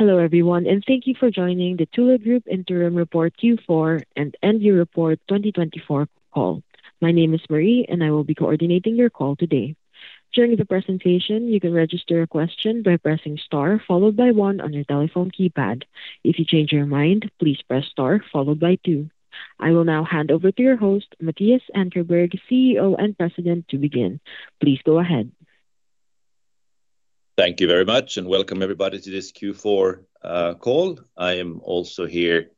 Hello, everyone, and thank you for joining the Group Interim Report Q4 and End-Year Report 2024 Call. My name is Marie, and I will be coordinating your call today. During the presentation, you can register a question by pressing star followed by one on your telephone keypad. If you change your mind, please press star followed by two. I will now hand over to your host, Mattias Ankarberg, CEO and President, to begin. Please go ahead. Thank you very much, and welcome everybody to this Q4 call. I am also here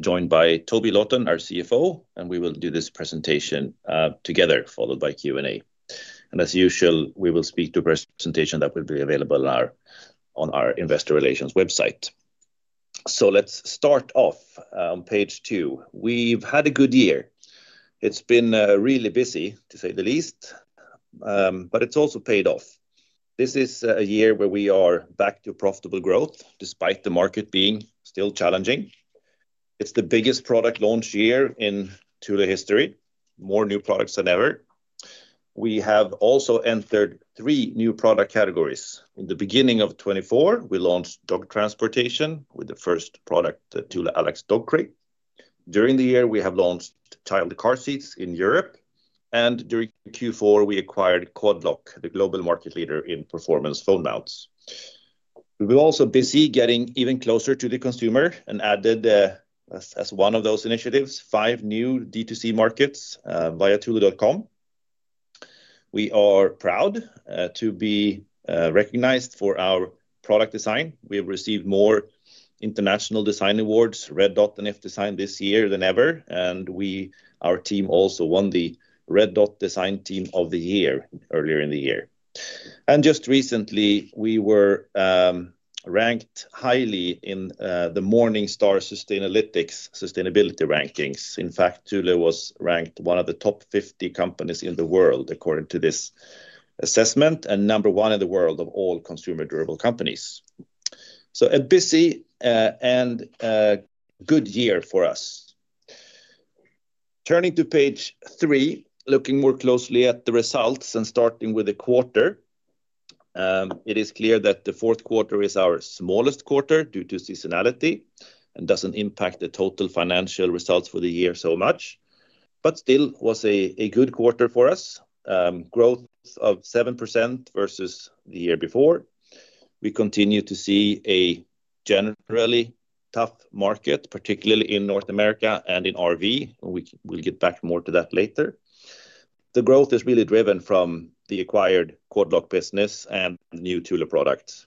joined by Toby Lawton, our CFO, and we will do this presentation together followed by Q&A. And as usual, we will speak to a presentation that will be available on our Investor Relations website. So let's start off on page two. We've had a good year. It's been really busy, to say the least, but it's also paid off. This is a year where we are back to profitable growth despite the market being still challenging. It's the biggest product launch year in history, more new products than ever. We have also entered three new product categories. In the beginning of 2024, we launched dog transportation with the first product, the Thule Allax dog crate. During the year, we have launched child car seats in Europe. During Q4, we acquired Quad Lock, the global market leader in performance phone mounts. We were also busy getting even closer to the consumer and added, as one of those initiatives, five new D2C markets via thule.com. We are proud to be recognized for our product design. We have received more international design awards, Red Dot, than iF Design this year than ever. Our team also won the Red Dot Design Team of the Year earlier in the year. Just recently, we were ranked highly in the Morningstar Sustainability rankings. In fact, Thule was ranked one of the top 50 companies in the world according to this assessment and number one in the world of all consumer durable companies. A busy and good year for us. Turning to page three, looking more closely at the results and starting with the quarter, it is clear that the Q4 is our smallest quarter due to seasonality and doesn't impact the total financial results for the year so much, but still was a good quarter for us, growth of 7% versus the year before. We continue to see a generally tough market, particularly in North America and in RV. We'll get back more to that later. The growth is really driven from the acquired Quad Lock business and new Thule products.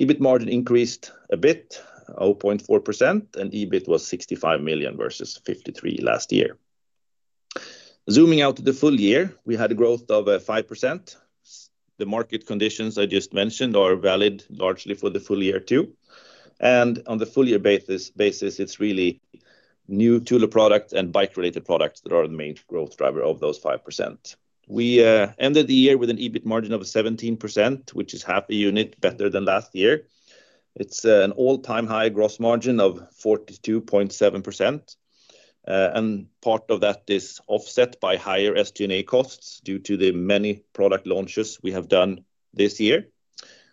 EBIT margin increased a bit, 0.4%, and EBIT was 65 million versus 53 million last year. Zooming out to the full year, we had a growth of 5%. The market conditions I just mentioned are valid largely for the full year too. And on the full year basis, it's really new Thule products and bike-related products that are the main growth driver of those 5%. We ended the year with an EBIT margin of 17%, which is half a unit better than last year. It's an all-time high gross margin of 42.7%. And part of that is offset by higher SG&A costs due to the many product launches we have done this year.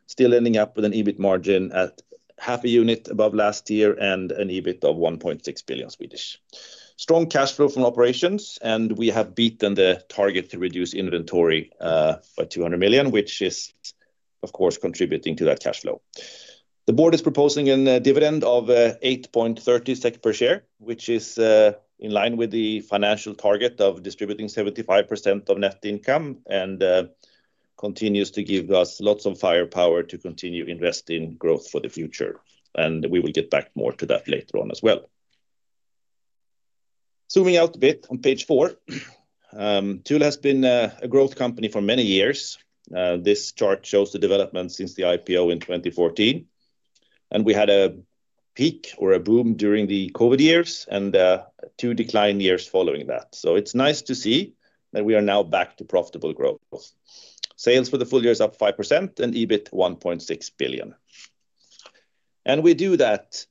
Still ending up with an EBIT margin at half a unit above last year and an EBIT of 1.6 billion. Strong cash flow from operations, and we have beaten the target to reduce inventory by 200 million, which is, of course, contributing to that cash flow. The board is proposing a dividend of 8.30% per share, which is in line with the financial target of distributing 75% of net income and continues to give us lots of firepower to continue investing in growth for the future, and we will get back more to that later on as well. Zooming out a bit on page four, Thule has been a growth company for many years. This chart shows the development since the IPO in 2014, and we had a peak or a boom during the COVID years and two decline years following that, so it's nice to see that we are now back to profitable growth. Sales for the full year is up 5% and EBIT 1.6 billion. And we do that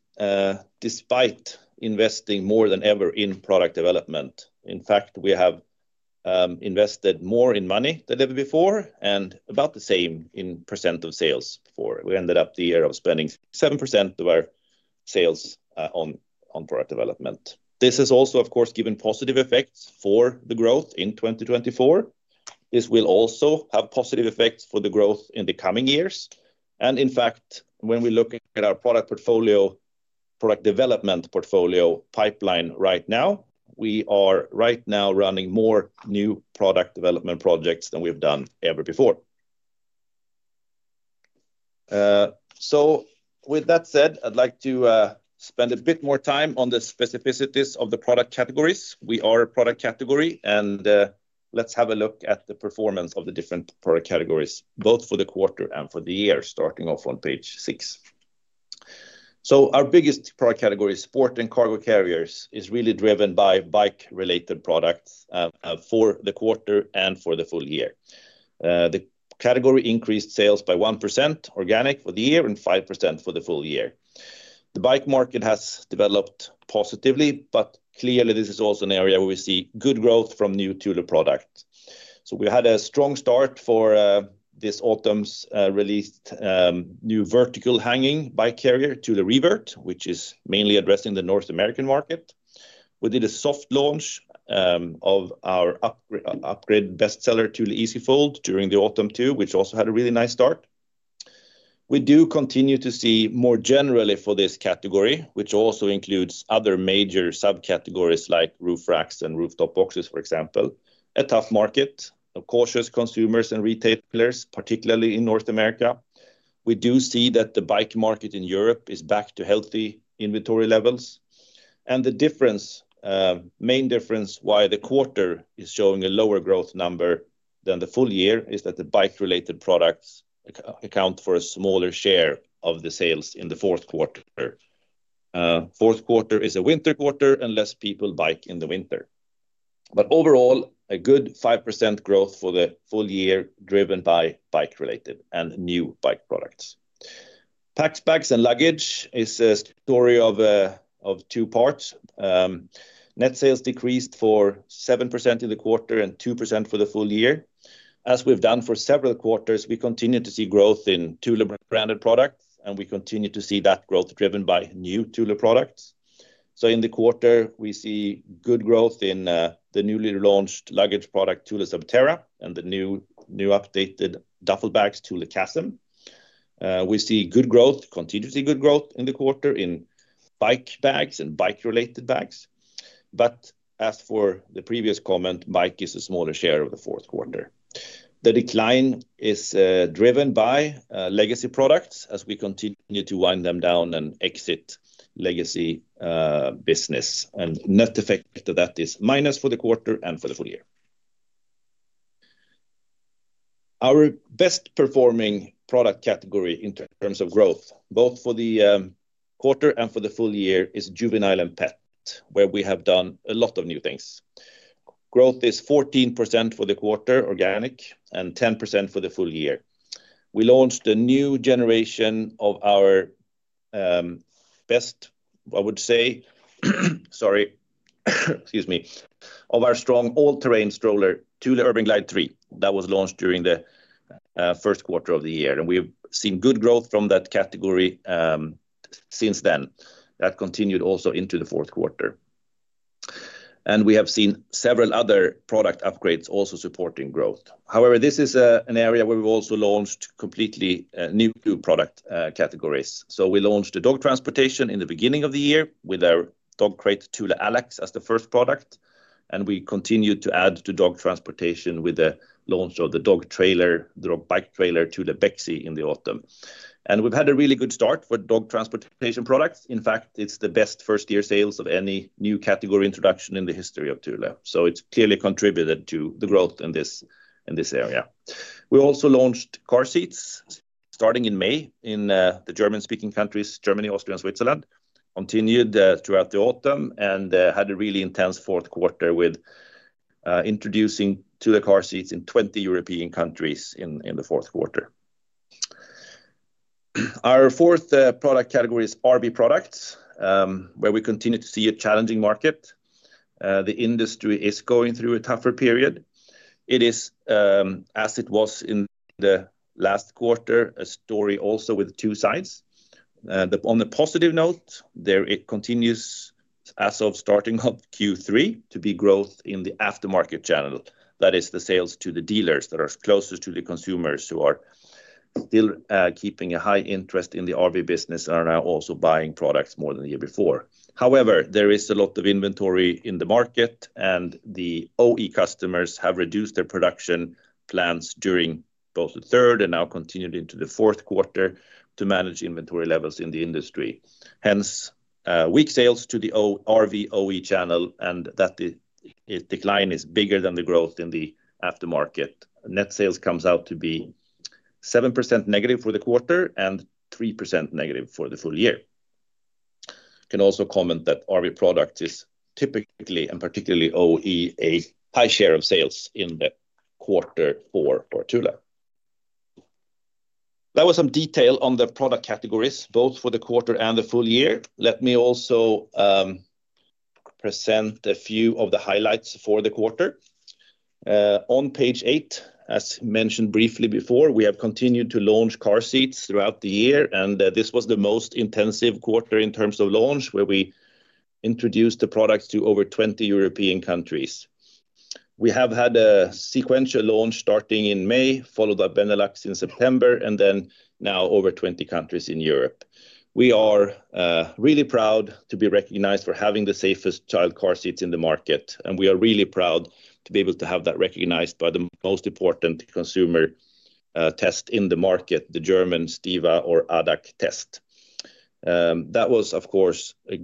despite investing more than ever in product development. In fact, we have invested more money than ever before and about the same in percent of sales before. We ended the year spending 7% of our sales on product development. This has also, of course, given positive effects for the growth in 2024. This will also have positive effects for the growth in the coming years. And in fact, when we look at our product portfolio, product development portfolio pipeline right now, we are right now running more new product development projects than we've done ever before. So with that said, I'd like to spend a bit more time on the specificities of the product categories. We are a product category, and let's have a look at the performance of the different product categories, both for the quarter and for the year, starting off on page six. Our biggest product category, Sport and Cargo Carriers, is really driven by bike-related products for the quarter and for the full year. The category increased sales by 1% organic for the year and 5% for the full year. The bike market has developed positively, but clearly this is also an area where we see good growth from new Thule products. We had a strong start for this autumn's released new vertical hanging bike carrier, Thule Revert, which is mainly addressing the North American market. We did a soft launch of our upgraded bestseller Thule EasyFold during the autumn too, which also had a really nice start. We do continue to see more generally for this category, which also includes other major subcategories like roof racks and rooftop boxes, for example. A tough market of cautious consumers and retailers, particularly in North America. We do see that the bike market in Europe is back to healthy inventory levels, and the main difference why the quarter is showing a lower growth number than the full year is that the bike-related products account for a smaller share of the sales in the Q4. Q4 is a winter quarter and less people bike in the winter, but overall, a good 5% growth for the full year driven by bike-related and new bike products. Packed bags and luggage is a story of two parts. Net sales decreased for 7% in the quarter and 2% for the full year. As we've done for several quarters, we continue to see growth in Thule branded products, and we continue to see that growth driven by new Thule products. In the quarter, we see good growth in the newly launched luggage product, Thule Subterra, and the new updated duffel bags, Thule Chasm. We see good growth, continuously good growth in the quarter in bike bags and bike-related bags. But as for the previous comment, bike is a smaller share of the Q4. The decline is driven by legacy products as we continue to wind them down and exit legacy business, and net effect of that is minus for the quarter and for the full year. Our best performing product category in terms of growth, both for the quarter and for the full year, is juvenile and pet, where we have done a lot of new things. Growth is 14% for the quarter organic and 10% for the full year. We launched a new generation of our strong all-terrain stroller, Thule Urban Glide 3, that was launched during the Q1 of the year. And we've seen good growth from that category since then. That continued also into the Q4. And we have seen several other product upgrades also supporting growth. However, this is an area where we've also launched completely new product categories. So we launched the dog transportation in the beginning of the year with our dog crate, Thule Allax, as the first product. And we continued to add to dog transportation with the launch of the dog trailer, bike trailer, Thule Bexey in the autumn. And we've had a really good start for dog transportation products. In fact, it's the best first-year sales of any new category introduction in the history of Thule. So it's clearly contributed to the growth in this area. We also launched car seats starting in May in the German-speaking countries, Germany, Austria, and Switzerland. Continued throughout the autumn and had a really intense Q4 with introducing Thule car seats in 20 European countries in the Q4. Our fourth product category is RV products, where we continue to see a challenging market. The industry is going through a tougher period. It is, as it was in the last quarter, a story also with two sides. On the positive note, there it continues as of starting of Q3 to be growth in the aftermarket channel. That is the sales to the dealers that are closest to the consumers who are still keeping a high interest in the RV business and are now also buying products more than the year before. However, there is a lot of inventory in the market, and the OE customers have reduced their production plans during both the third and now continued into the Q4 to manage inventory levels in the industry. Hence, weak sales to the RV OE channel, and that decline is bigger than the growth in the aftermarket. Net sales comes out to be -7% for the quarter and -3% for the full year. Can also comment that RV products is typically and particularly OE a high share of sales in the quarter four for Thule. That was some detail on the product categories, both for the quarter and the full year. Let me also present a few of the highlights for the quarter. On page eight, as mentioned briefly before, we have continued to launch car seats throughout the year, and this was the most intensive quarter in terms of launch where we introduced the products to over 20 European countries. We have had a sequential launch starting in May, followed by Benelux in September, and then now over 20 countries in Europe. We are really proud to be recognized for having the safest child car seats in the market, and we are really proud to be able to have that recognized by the most important consumer test in the market, the German StiWa or ADAC test. That was, of course, a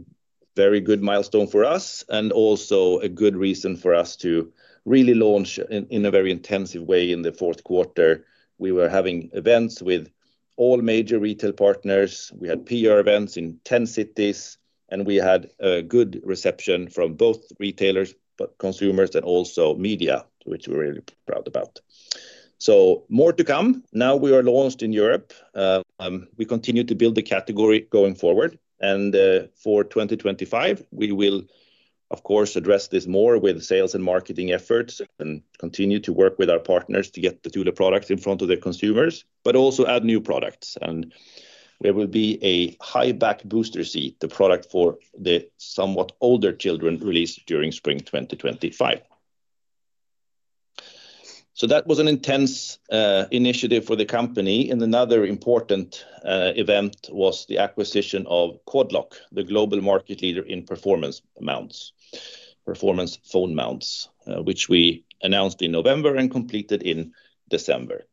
very good milestone for us and also a good reason for us to really launch in a very intensive way in the Q4. We were having events with all major retail partners. We had PR events in 10 cities, and we had a good reception from both retailers, consumers, and also media, which we're really proud about, so more to come. Now we are launched in Europe. We continue to build the category going forward. For 2025, we will, of course, address this more with sales and marketing efforts and continue to work with our partners to get the Thule products in front of the consumers, but also add new products. There will be a high back booster seat, the product for the somewhat older children released during spring 2025. That was an intense initiative for the company. Another important event was the acquisition of Quad Lock, the global market leader in performance mounts, performance phone mounts, which we announced in November and completed in December.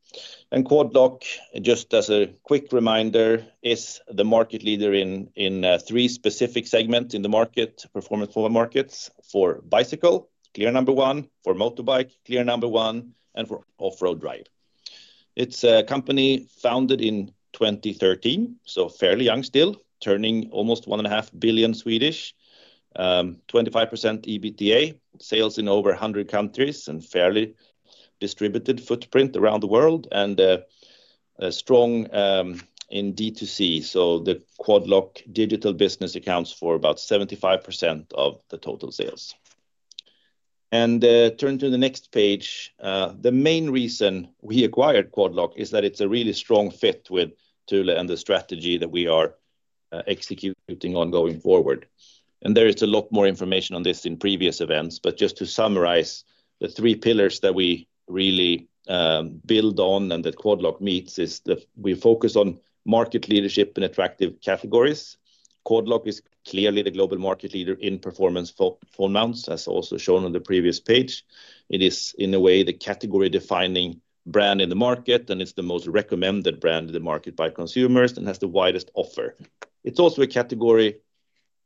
Quad Lock, just as a quick reminder, is the market leader in three specific segments in the market, performance phone mounts for bicycle, clear number one, for motorbike, clear number one, and for off-road riding. It's a company founded in 2013, so fairly young still, turning almost 1.5 billion, 25% EBITDA, sales in over 100 countries, and fairly distributed footprint around the world, and strong in D2C. The Quad Lock D2C business accounts for about 75% of the total sales. Turn to the next page. The main reason we acquired Quad Lock is that it's a really strong fit with Thule and the strategy that we are executing on going forward. There is a lot more information on this in previous events. But just to summarize, the three pillars that we really build on and that Quad Lock meets is that we focus on market leadership and attractive categories. Quad Lock is clearly the global market leader in performance phone mounts, as also shown on the previous page. It is, in a way, the category-defining brand in the market, and it's the most recommended brand in the market by consumers and has the widest offer. It's also a category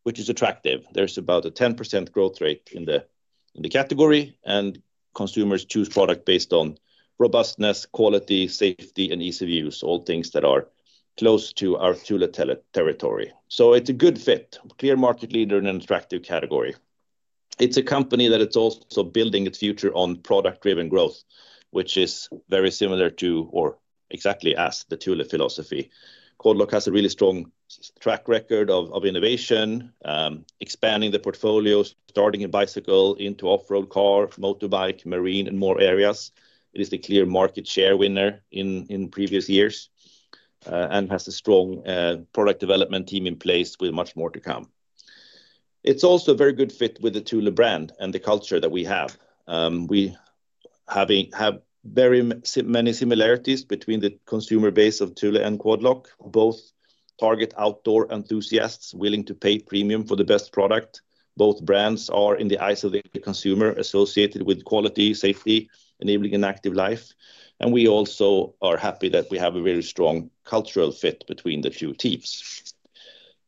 which is attractive. There's about a 10% growth rate in the category, and consumers choose product based on robustness, quality, safety, and ease of use, all things that are close to our Thule territory. So it's a good fit, clear market leader, and an attractive category. It's a company that is also building its future on product-driven growth, which is very similar to or exactly as the Thule philosophy. Quad Lock has a really strong track record of innovation, expanding the portfolios, starting a bicycle into off-road car, motorbike, marine, and more areas. It is the clear market share winner in previous years and has a strong product development team in place with much more to come. It's also a very good fit with the Thule brand and the culture that we have. We have very many similarities between the consumer base of Thule and Quad Lock. Both target outdoor enthusiasts willing to pay premium for the best product. Both brands are in the eyes of the consumer associated with quality, safety, enabling an active life. And we also are happy that we have a very strong cultural fit between the two teams.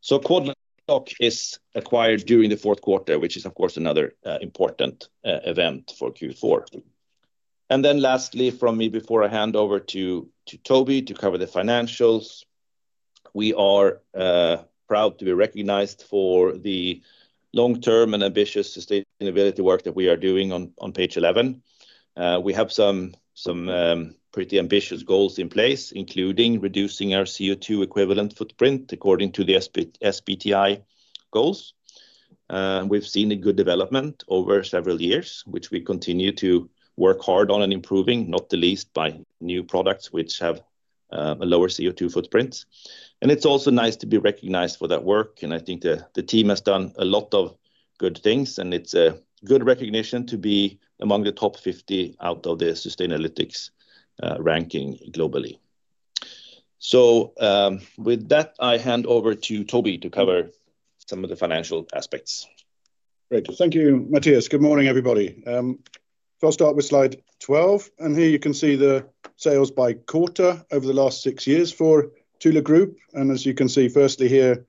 So Quad Lock is acquired during the Q4, which is, of course, another important event for Q4. Then lastly, from me, before I hand over to Toby to cover the financials, we are proud to be recognized for the long-term and ambitious sustainability work that we are doing on page 11. We have some pretty ambitious goals in place, including reducing our CO2 equivalent footprint according to the SBTi goals. We've seen a good development over several years, which we continue to work hard on and improving, not the least by new products which have a lower CO2 footprint. It's also nice to be recognized for that work. I think the team has done a lot of good things, and it's a good recognition to be among the top 50 out of the sustainability ranking globally. With that, I hand over to Toby to cover some of the financial aspects. Great. Thank you, Mattias. Good morning, everybody. I'll start with slide 12. Here you can see the sales by quarter over the last six years for Thule Group. As you can see firstly here,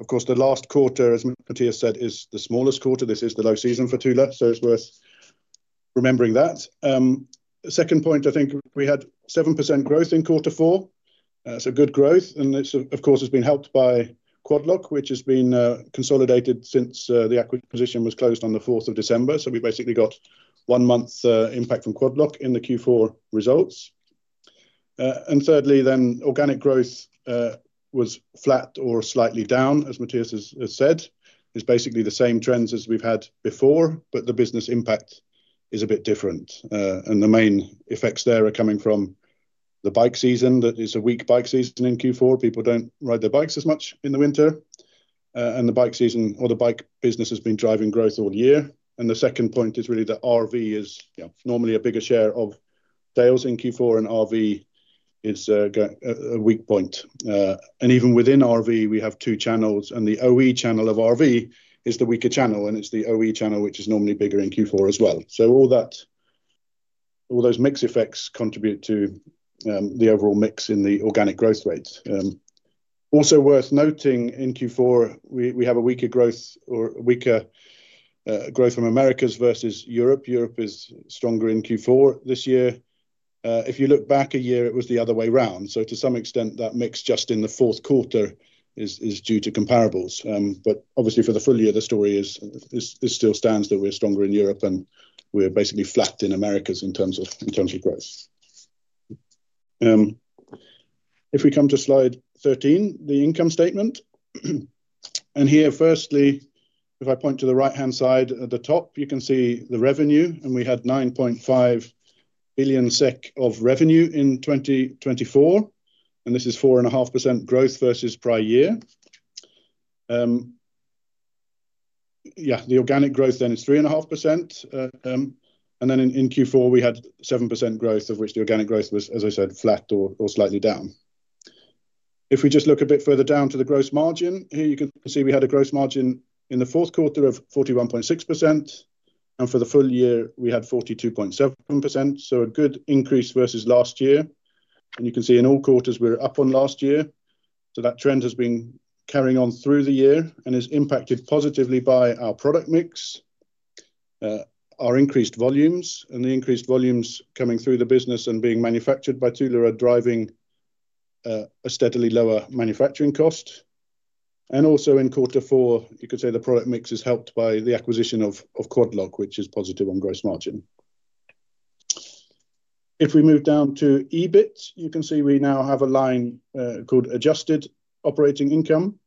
of course, the last quarter, as Mattias said, is the smallest quarter. This is the low season for Thule, so it's worth remembering that. Second point, I think we had 7% growth in quarter four. It's a good growth. It's, of course, been helped by Quad Lock, which has been consolidated since the acquisition was closed on the 4 December. So we basically got one-month impact from Quad Lock in the Q4 results. Thirdly, then organic growth was flat or slightly down, as Mattias has said. It's basically the same trends as we've had before, but the business impact is a bit different. The main effects there are coming from the bike season. That is a weak bike season in Q4. People don't ride their bikes as much in the winter, and the bike season or the bike business has been driving growth all year. The second point is really that RV is normally a bigger share of sales in Q4, and RV is a weak point. Even within RV, we have two channels, and the OE channel of RV is the weaker channel, and it's the OE channel which is normally bigger in Q4 as well, so all those mix effects contribute to the overall mix in the organic growth rates. Also worth noting in Q4, we have a weaker growth or weaker growth from Americas versus Europe. Europe is stronger in Q4 this year. If you look back a year, it was the other way around, so to some extent, that mix just in the Q4 is due to comparables. But obviously, for the full year, the story still stands that we're stronger in Europe, and we're basically flat in Americas in terms of growth. If we come to slide 13, the income statement. And here, firstly, if I point to the right-hand side at the top, you can see the revenue. And we had 9.5 billion SEK of revenue in 2024. And this is 4.5% growth versus prior year. Yeah, the organic growth then is 3.5%. And then in Q4, we had 7% growth, of which the organic growth was, as I said, flat or slightly down. If we just look a bit further down to the gross margin, here you can see we had a gross margin in the Q4 of 41.6%. And for the full year, we had 42.7%. So a good increase versus last year. You can see in all quarters, we're up on last year. So that trend has been carrying on through the year and is impacted positively by our product mix, our increased volumes, and the increased volumes coming through the business and being manufactured by Thule are driving a steadily lower manufacturing cost. Also in quarter four, you could say the product mix is helped by the acquisition of Quad Lock, which is positive on gross margin. If we move down to EBIT, you can see we now have a line called adjusted operating income.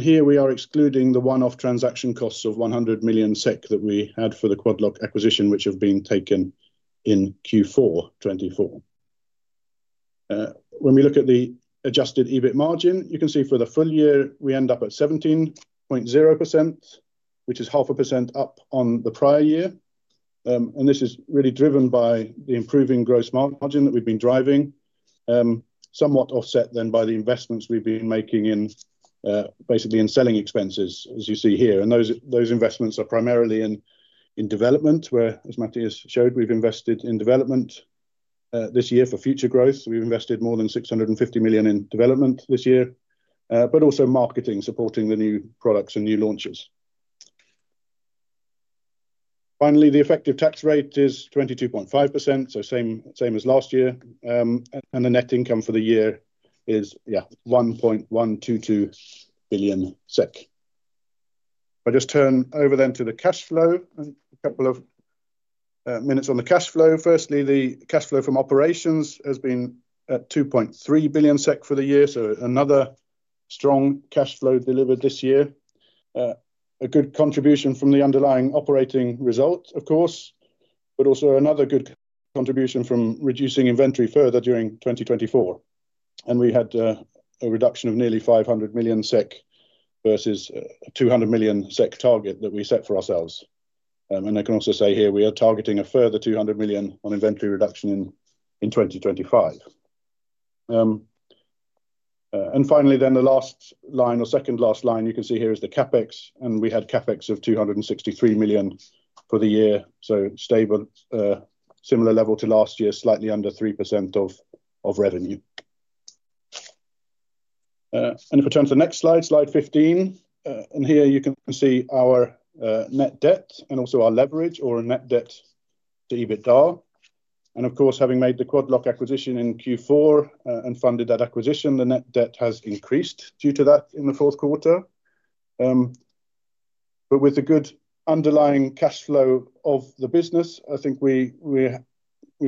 Here we are excluding the one-off transaction costs of 100 million SEK that we had for the Quad Lock acquisition, which have been taken in Q4 2024. When we look at the adjusted EBIT margin, you can see for the full year, we end up at 17.0%, which is 0.5% up on the prior year. And this is really driven by the improving gross margin that we've been driving, somewhat offset then by the investments we've been making in basically in selling expenses, as you see here. And those investments are primarily in development, where, as Mattias showed, we've invested in development this year for future growth. We've invested more than 650 million in development this year, but also marketing supporting the new products and new launches. Finally, the effective tax rate is 22.5%, so same as last year. And the net income for the year is, yeah, 1.122 billion SEK. I'll just turn over then to the cash flow and a couple of minutes on the cash flow. Firstly, the cash flow from operations has been at 2.3 billion SEK for the year, so another strong cash flow delivered this year. A good contribution from the underlying operating result, of course, but also another good contribution from reducing inventory further during 2024. We had a reduction of nearly 500 million SEK versus a 200 million SEK target that we set for ourselves. I can also say here we are targeting a further 200 million on inventory reduction in 2025. Finally, then the last line or second last line you can see here is the CapEx. We had CapEx of 263 million for the year, so stable, similar level to last year, slightly under 3% of revenue. If we turn to the next slide, slide 15, here you can see our net debt and also our leverage or net debt to EBITDA. And of course, having made the Quad Lock acquisition in Q4 and funded that acquisition, the net debt has increased due to that in the Q4. But with the good underlying cash flow of the business, I think we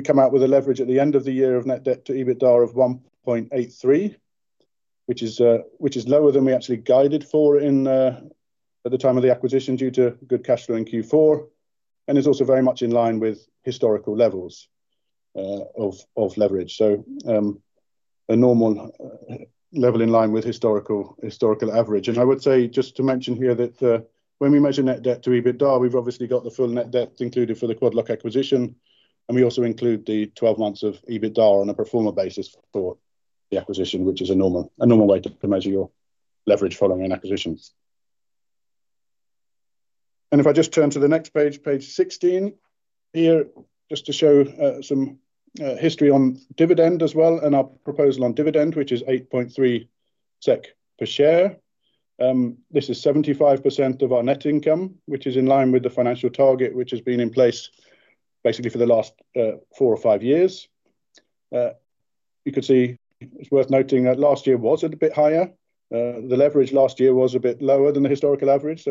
come out with a leverage at the end of the year of net debt to EBITDA of 1.83, which is lower than we actually guided for at the time of the acquisition due to good cash flow in Q4. And it's also very much in line with historical levels of leverage, so a normal level in line with historical average. And I would say just to mention here that when we measure net debt to EBITDA, we've obviously got the full net debt included for the Quad Lock acquisition. We also include the 12 months of EBITDA on a pro forma basis for the acquisition, which is a normal way to measure your leverage following an acquisition. If I just turn to the next page, page 16 here, just to show some history on dividend as well and our proposal on dividend, which is 8.3 SEK per share. This is 75% of our net income, which is in line with the financial target which has been in place basically for the last four or five years. You could see it's worth noting that last year was a bit higher. The leverage last year was a bit lower than the historical average.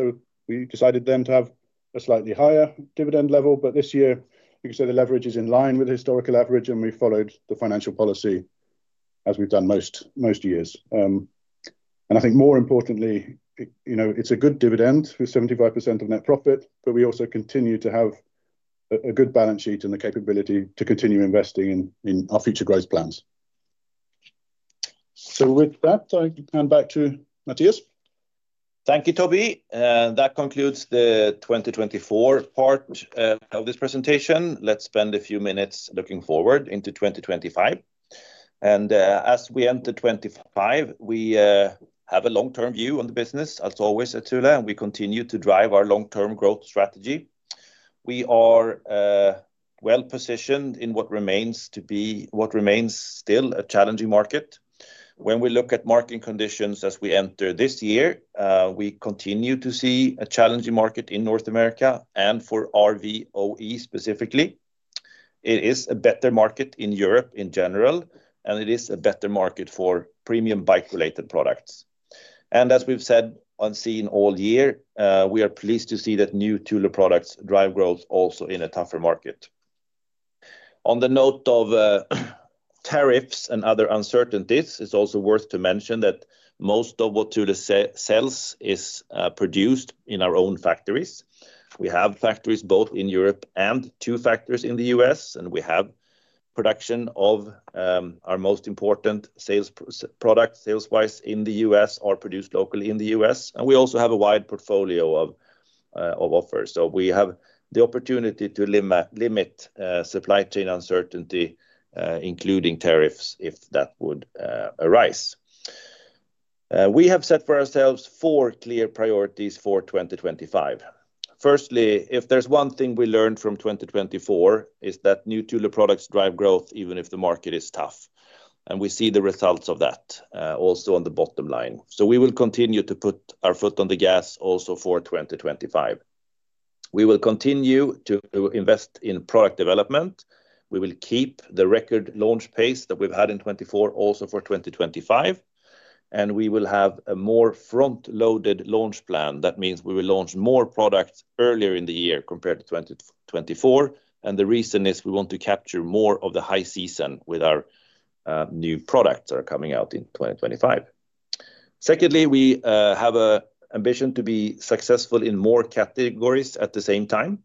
We decided then to have a slightly higher dividend level. This year, you can say the leverage is in line with the historical average, and we followed the financial policy as we've done most years. I think more importantly, it's a good dividend with 75% of net profit, but we also continue to have a good balance sheet and the capability to continue investing in our future growth plans. With that, I'll hand back to Mattias. Thank you, Toby. That concludes the 2024 part of this presentation. Let's spend a few minutes looking forward into 2025. As we enter 2025, we have a long-term view on the business, as always at Thule, and we continue to drive our long-term growth strategy. We are well positioned in what remains still a challenging market. When we look at market conditions as we enter this year, we continue to see a challenging market in North America and for RV OE specifically. It is a better market in Europe in general, and it is a better market for premium bike-related products. And as we've said and seen all year, we are pleased to see that new Thule products drive growth also in a tougher market. On the note of tariffs and other uncertainties, it's also worth to mention that most of what Thule sells is produced in our own factories. We have factories both in Europe and two factories in the US, and we have production of our most important sales products sales-wise in the US are produced locally in the US. And we also have a wide portfolio of offers. So we have the opportunity to limit supply chain uncertainty, including tariffs if that would arise. We have set for ourselves four clear priorities for 2025. Firstly, if there's one thing we learned from 2024, it's that new Thule products drive growth even if the market is tough. And we see the results of that also on the bottom line. We will continue to put our foot on the gas also for 2025. We will continue to invest in product development. We will keep the record launch pace that we've had in 2024 also for 2025. We will have a more front-loaded launch plan. That means we will launch more products earlier in the year compared to 2024. The reason is we want to capture more of the high season with our new products that are coming out in 2025. Secondly, we have an ambition to be successful in more categories at the same time.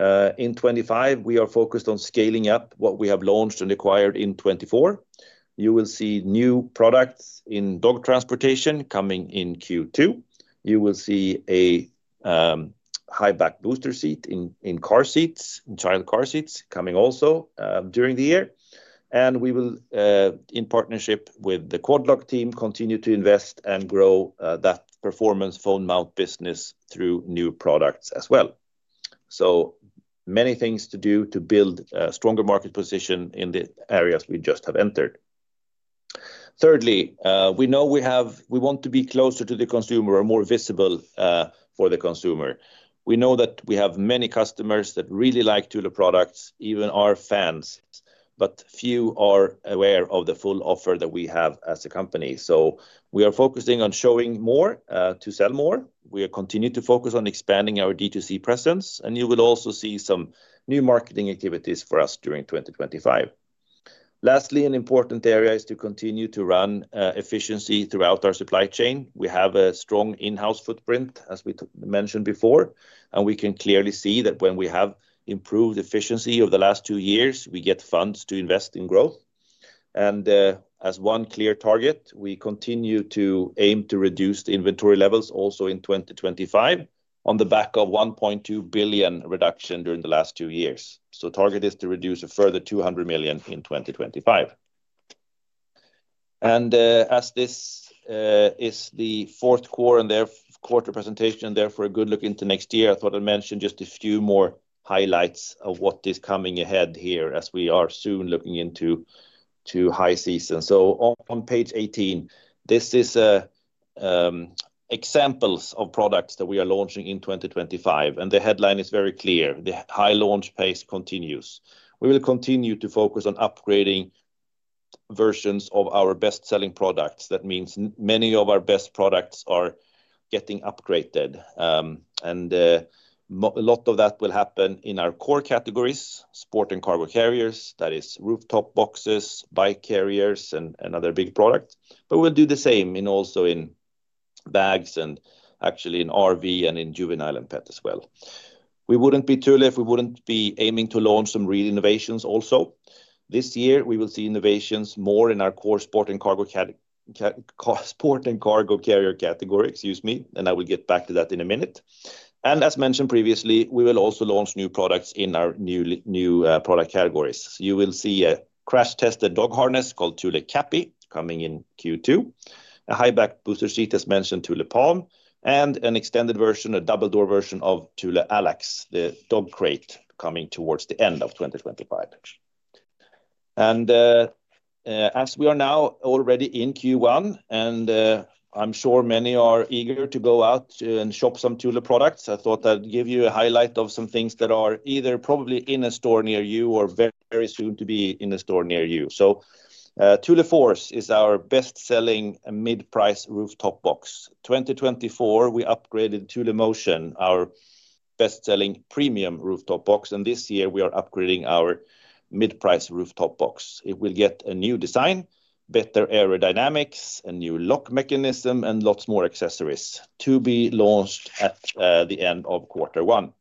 In 2025, we are focused on scaling up what we have launched and acquired in 2024. You will see new products in dog transportation coming in Q2. You will see a high-back booster seat in car seats, child car seats coming also during the year. And we will, in partnership with the Quad Lock team, continue to invest and grow that performance phone mount business through new products as well. So many things to do to build a stronger market position in the areas we just have entered. Thirdly, we know we want to be closer to the consumer or more visible for the consumer. We know that we have many customers that really like Thule products, even our fans, but few are aware of the full offer that we have as a company. So we are focusing on showing more to sell more. We continue to focus on expanding our D2C presence, and you will also see some new marketing activities for us during 2025. Lastly, an important area is to continue to run efficiency throughout our supply chain. We have a strong in-house footprint, as we mentioned before, and we can clearly see that when we have improved efficiency over the last two years, we get funds to invest in growth. And as one clear target, we continue to aim to reduce the inventory levels also in 2025 on the back of 1.2 billion reduction during the last two years. So the target is to reduce a further 200 million in 2025. And as this is the Q4 presentation, therefore a good look into next year, I thought I'd mention just a few more highlights of what is coming ahead here as we are soon looking into high season. So on page 18, this is examples of products that we are launching in 2025. And the headline is very clear. The high launch pace continues. We will continue to focus on upgrading versions of our best-selling products. That means many of our best products are getting upgraded. And a lot of that will happen in our core categories, sport and cargo carriers, that is rooftop boxes, bike carriers, and other big products. But we'll do the same also in bags and actually in RV and in juvenile and pet as well. We wouldn't be too late if we wouldn't be aiming to launch some re-innovations also. This year, we will see innovations more in our core sport and cargo carrier category, excuse me, and I will get back to that in a minute. And as mentioned previously, we will also launch new products in our new product categories. You will see a crash-tested dog harness called Thule Cappy coming in Q2, a high-back booster seat as mentioned Thule Palm, and an extended version, a double-door version of Thule Allax, the dog crate coming towards the end of 2025. And as we are now already in Q1, and I'm sure many are eager to go out and shop some Thule products, I thought I'd give you a highlight of some things that are either probably in a store near you or very soon to be in a store near you. So Thule Force is our best-selling mid-price rooftop box. 2024, we upgraded Thule Motion, our best-selling premium rooftop box, and this year we are upgrading our mid-price rooftop box. It will get a new design, better aerodynamics, a new lock mechanism, and lots more accessories to be launched at the end of quarter one.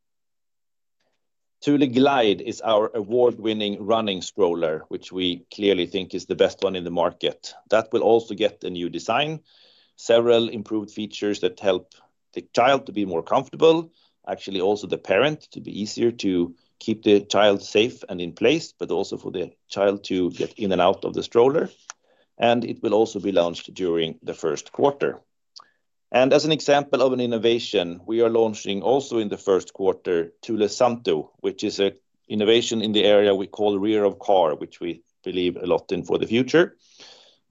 Thule Glide is our award-winning running stroller, which we clearly think is the best one in the market. That will also get a new design, several improved features that help the child to be more comfortable, actually also the parent to be easier to keep the child safe and in place, but also for the child to get in and out of the stroller, and it will also be launched during the Q1, and as an example of an innovation, we are launching also in the Q1 Thule Santu, which is an innovation in the area we call rear of car, which we believe a lot in for the future.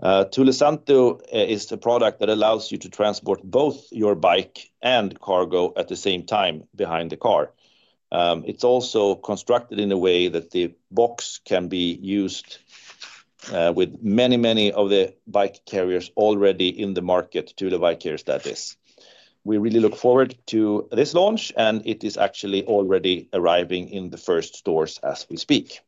Thule Santu is a product that allows you to transport both your bike and cargo at the same time behind the car. It's also constructed in a way that the box can be used with many, many of the bike carriers already in the market, Thule bike carriers that is. We really look forward to this launch, and it is actually already arriving in the first stores as we speak.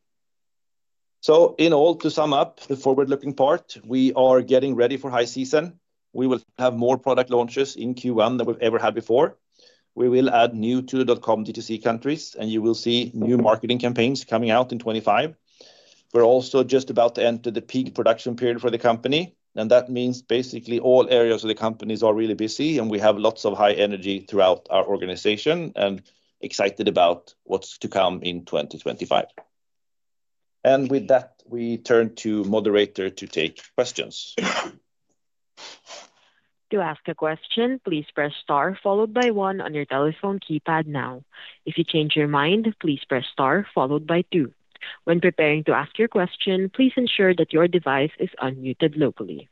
So in all, to sum up the forward-looking part, we are getting ready for high season. We will have more product launches in Q1 than we've ever had before. We will add new Thule.com D2C countries, and you will see new marketing campaigns coming out in 2025. We're also just about to enter the peak production period for the company, and that means basically all areas of the companies are really busy, and we have lots of high energy throughout our organization and excited about what's to come in 2025. And with that, we turn to moderator to take questions. To ask a question, please press star followed by one on your telephone keypad now. If you change your mind, please press star followed by two. When preparing to ask your question, please ensure that your device is unmuted locally.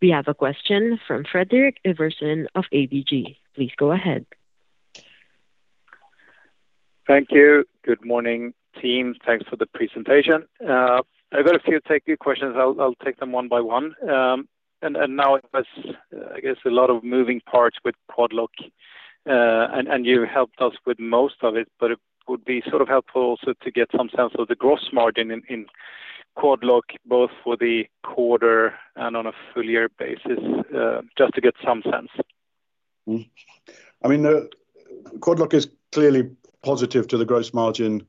We have a question from Fredrik Ivarsson of ABG. Please go ahead. Thank you. Good morning, team. Thanks for the presentation. I've got a few tech questions. I'll take them one by one. And now, I guess a lot of moving parts with Quad Lock, and you helped us with most of it, but it would be sort of helpful also to get some sense of the gross margin in Quad Lock, both for the quarter and on a full year basis, just to get some sense. I mean, Quad Lock is clearly positive to the gross margin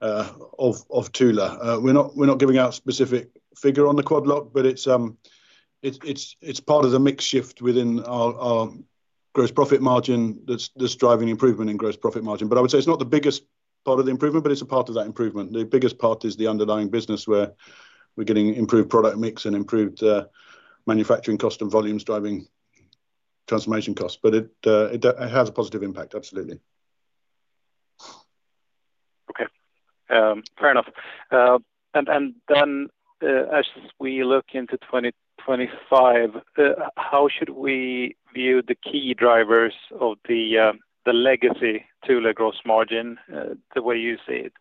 of Thule. We're not giving out a specific figure on the Quad Lock, but it's part of the mix shift within our gross profit margin that's driving improvement in gross profit margin. But I would say it's not the biggest part of the improvement, but it's a part of that improvement. The biggest part is the underlying business where we're getting improved product mix and improved manufacturing cost and volumes driving transformation costs. But it has a positive impact, absolutely. Okay. Fair enough. And then as we look into 2025, how should we view the key drivers of the legacy Thule gross margin the way you see it?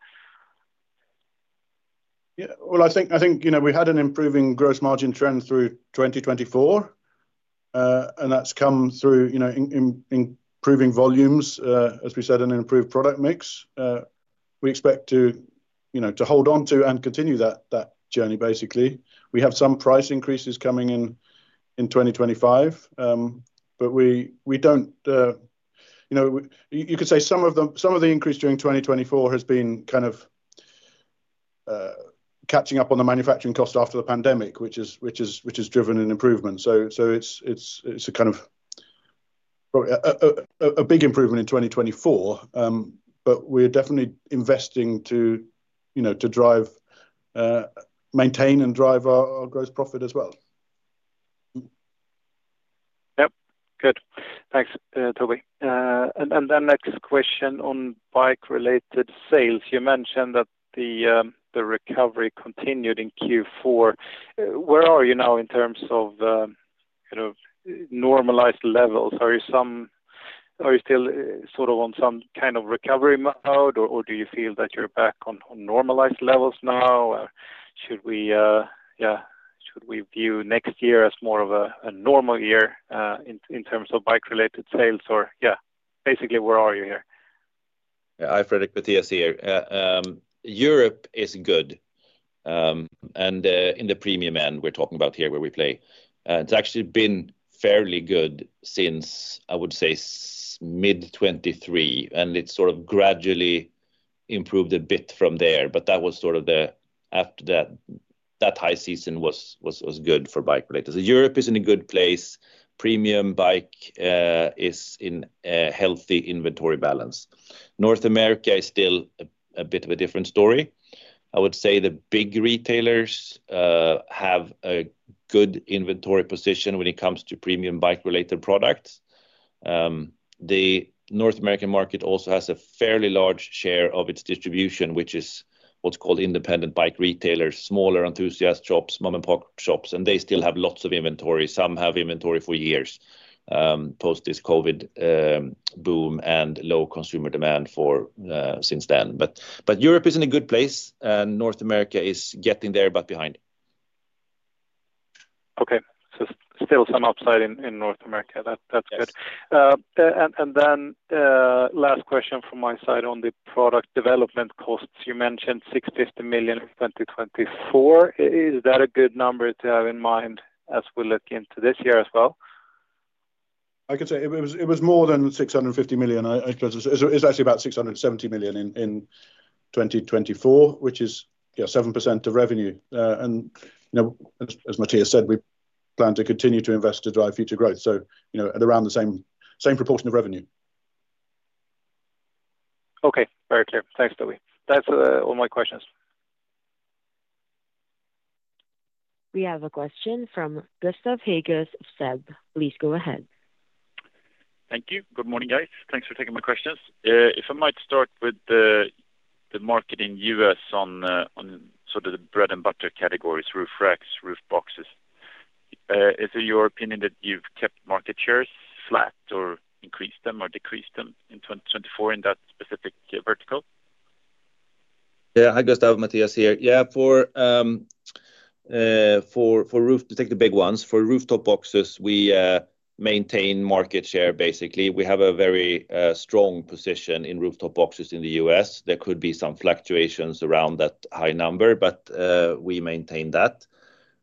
Yeah. Well, I think we had an improving gross margin trend through 2024, and that's come through improving volumes, as we said, and improved product mix. We expect to hold on to and continue that journey, basically. We have some price increases coming in 2025, but we don't you could say some of the increase during 2024 has been kind of catching up on the manufacturing cost after the pandemic, which has driven an improvement. So it's a kind of a big improvement in 2024, but we're definitely investing to maintain and drive our gross profit as well. Yep. Good. Thanks, Toby. And then next question on bike-related sales. You mentioned that the recovery continued in Q4. Where are you now in terms of kind of normalized levels? Are you still sort of on some kind of recovery mode, or do you feel that you're back on normalized levels now? Should we view next year as more of a normal year in terms of bike-related sales? Or yeah, basically, where are you here? Yeah. Hi, Fredrik, Mattias here. Europe is good. And in the premium end, we're talking about here where we play. It's actually been fairly good since, I would say, mid-2023, and it sort of gradually improved a bit from there. But that was sort of the after that high season was good for bike-related sales. Europe is in a good place. Premium bike is in a healthy inventory balance. North America is still a bit of a different story. I would say the big retailers have a good inventory position when it comes to premium bike-related products. The North American market also has a fairly large share of its distribution, which is what's called independent bike retailers, smaller enthusiast shops, mom-and-pop shops, and they still have lots of inventory. Some have inventory for years post this COVID boom and low consumer demand since then. But Europe is in a good place, and North America is getting there but behind. Okay. So still some upside in North America. That's good. And then last question from my side on the product development costs. You mentioned 650 million in 2024. Is that a good number to have in mind as we look into this year as well? I could say it was more than 650 million. It's actually about 670 million in 2024, which is 7% of revenue. And as Mattias said, we plan to continue to invest to drive future growth. So around the same proportion of revenue. Okay. Very clear. Thanks, Toby. That's all my questions. We have a question from Gustaf Hagéus. Please go ahead. Thank you. Good morning, guys. Thanks for taking my questions. If I might start with the market in the US on sort of the bread-and-butter categories, roof racks, roof boxes, is it your opinion that you've kept market shares flat or increased them or decreased them in 2024 in that specific vertical? Yeah. Hi, Gustaf, Mattias here. Yeah. For roof, to take the big ones, for rooftop boxes, we maintain market share, basically. We have a very strong position in rooftop boxes in the US. There could be some fluctuations around that high number, but we maintain that.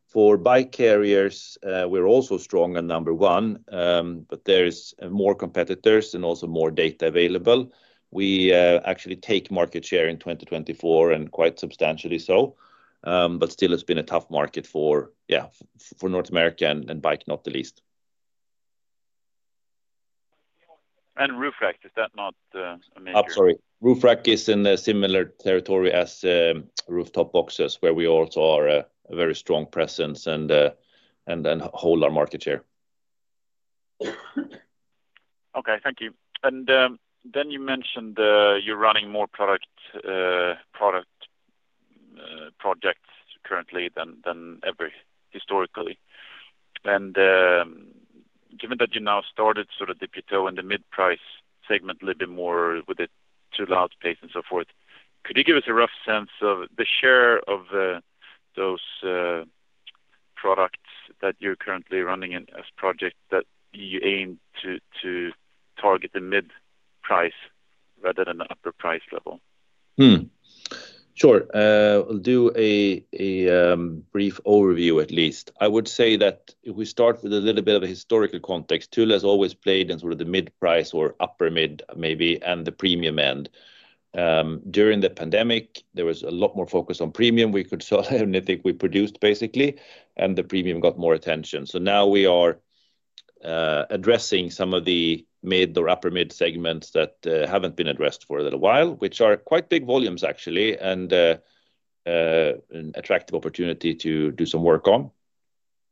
For bike carriers, we're also strong at number one, but there are more competitors and also more data available. We actually take market share in 2024 and quite substantially so, but still, it's been a tough market for North America and bike, not the least. And roof rack, is that not a major? I'm sorry. Roof rack is in a similar territory as rooftop boxes, where we also have a very strong presence and hold our market share. Okay. Thank you. And then you mentioned you're running more product projects currently than ever historically. And given that you now started sort of the plateau in the mid-price segment a little bit more with the [inaudible] and so forth, could you give us a rough sense of the share of those products that you're currently running as projects that you aim to target the mid-price rather than the upper price level? Sure. I'll do a brief overview, at least. I would say that if we start with a little bit of a historical context, Thule has always played in sort of the mid-price or upper-mid maybe and the premium end. During the pandemic, there was a lot more focus on premium. We could sell anything we produced, basically, and the premium got more attention. So now we are addressing some of the mid or upper-mid segments that haven't been addressed for a little while, which are quite big volumes, actually, and an attractive opportunity to do some work on.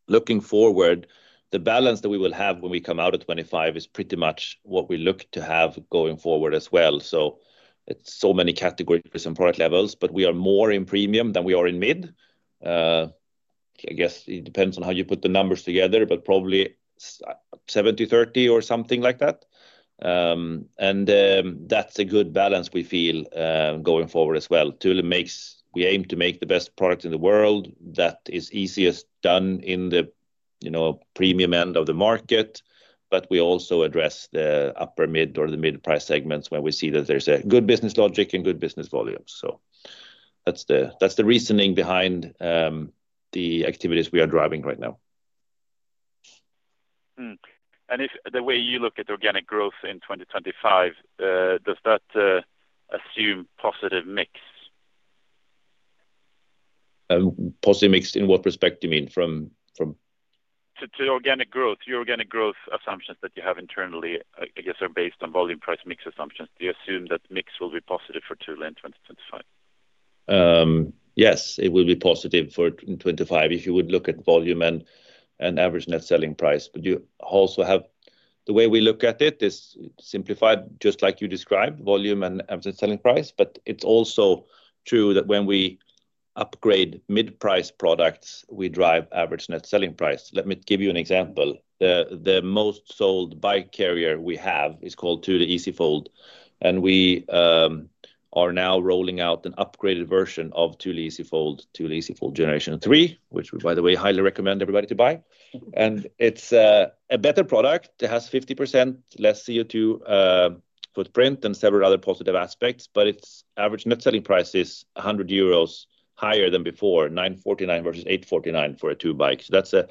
Looking forward, the balance that we will have when we come out of 2025 is pretty much what we look to have going forward as well. So it's so many categories and product levels, but we are more in premium than we are in mid. I guess it depends on how you put the numbers together, but probably 70 30 or something like that. And that's a good balance we feel going forward as well. Thule makes. We aim to make the best product in the world. That is easiest done in the premium end of the market, but we also address the upper-mid or the mid-price segments when we see that there's a good business logic and good business volume. So that's the reasoning behind the activities we are driving right now. And the way you look at organic growth in 2025, does that assume positive mix? Positive mix in what respect do you mean? From? To organic growth, your organic growth assumptions that you have internally, I guess, are based on volume-price mix assumptions. Do you assume that mix will be positive for Thule in 2025? Yes, it will be positive for 2025 if you would look at volume and average net selling price. But you also have the way we look at it is simplified, just like you described, volume and average net selling price. But it's also true that when we upgrade mid-price products, we drive average net selling price. Let me give you an example. The most sold bike carrier we have is called Thule EasyFold, and we are now rolling out an upgraded version of Thule EasyFold, Thule EasyFold Generation 3, which we, by the way, highly recommend everybody to buy. And it's a better product. It has 50% less CO2 footprint and several other positive aspects, but its average net selling price is 100 euros higher than before, 9.49 versus 8.49 for a two-bike. So that's a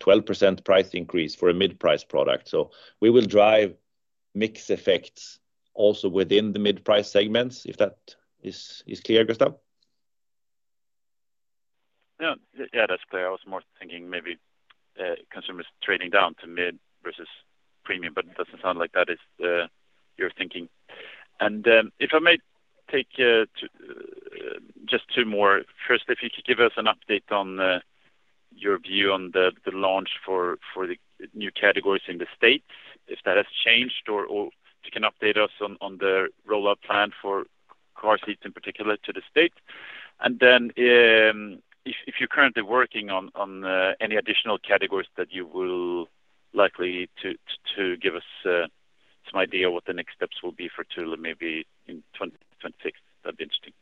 12% price increase for a mid-price product. So we will drive mix effects also within the mid-price segments, if that is clear, Gustaf? Yeah. Yeah, that's clear. I was more thinking maybe consumers trading down to mid versus premium, but it doesn't sound like that is your thinking. If I may take just two more. First, if you could give us an update on your view on the launch for the new categories in the states, if that has changed, or if you can update us on the rollout plan for car seats in particular to the states. Then if you're currently working on any additional categories that you will likely need to give us some idea of what the next steps will be for Thule maybe in 2026, that'd be interesting.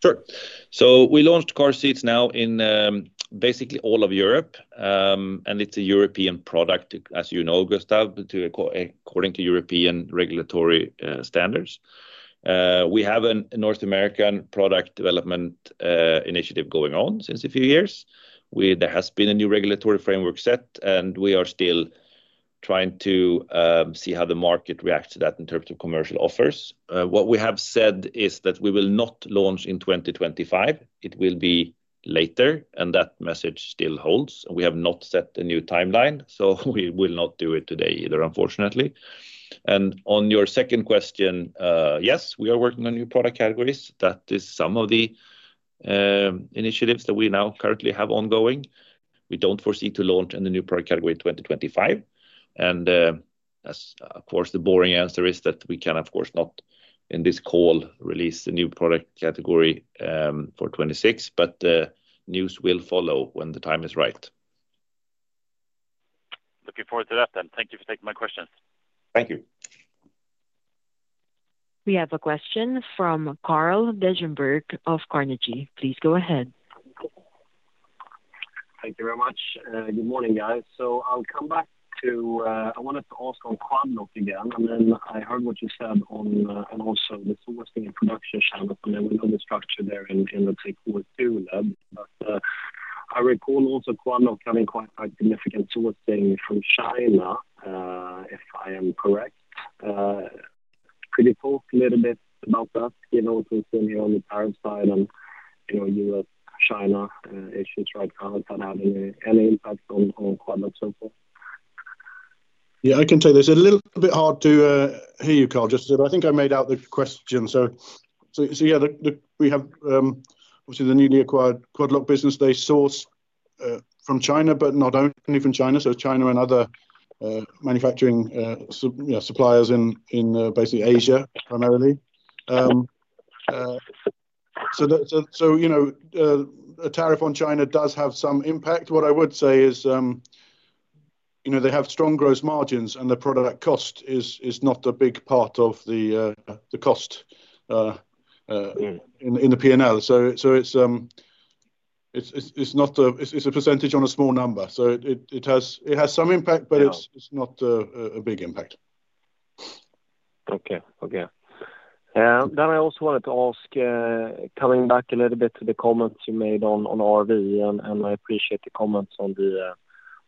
Sure. We launched car seats now in basically all of Europe, and it's a European product, as you know, Gustav, according to European regulatory standards. We have a North American product development initiative going on since a few years. There has been a new regulatory framework set, and we are still trying to see how the market reacts to that in terms of commercial offers. What we have said is that we will not launch in 2025. It will be later, and that message still holds. We have not set a new timeline, so we will not do it today either, unfortunately. And on your second question, yes, we are working on new product categories. That is some of the initiatives that we now currently have ongoing. We don't foresee to launch a new product category in 2025. And of course, the boring answer is that we can, of course, not in this call release a new product category for 2026, but news will follow when the time is right. Looking forward to that then. Thank you for taking my questions. Thank you. We have a question from Carl Deijenberg of Carnegie. Please go ahead. Thank you very much. Good morning, guys. So I'll come back to I wanted to ask on Quad Lock again, and then I heard what you said on and also the sourcing and production channels, and then we know the structure there in, let's say, Q2, but I recall also Quad Lock having quite significant sourcing from China, if I am correct. Could you talk a little bit about that? You know what we're seeing here on the tariff side and US-China issues right now. Has that had any impact on Quad Lock so far? Yeah, I can tell you there's a little bit hard to hear you, Carl, just because I think I made out the question. So yeah, we have obviously the newly acquired Quad Lock business. They source from China, but not only from China. So China and other manufacturing suppliers in basically Asia primarily. So a tariff on China does have some impact. What I would say is they have strong gross margins, and the product cost is not a big part of the cost in the P&L. So it's a percentage on a small number. So it has some impact, but it's not a big impact. Okay. Okay. Then I also wanted to ask, coming back a little bit to the comments you made on RV, and I appreciate the comments on the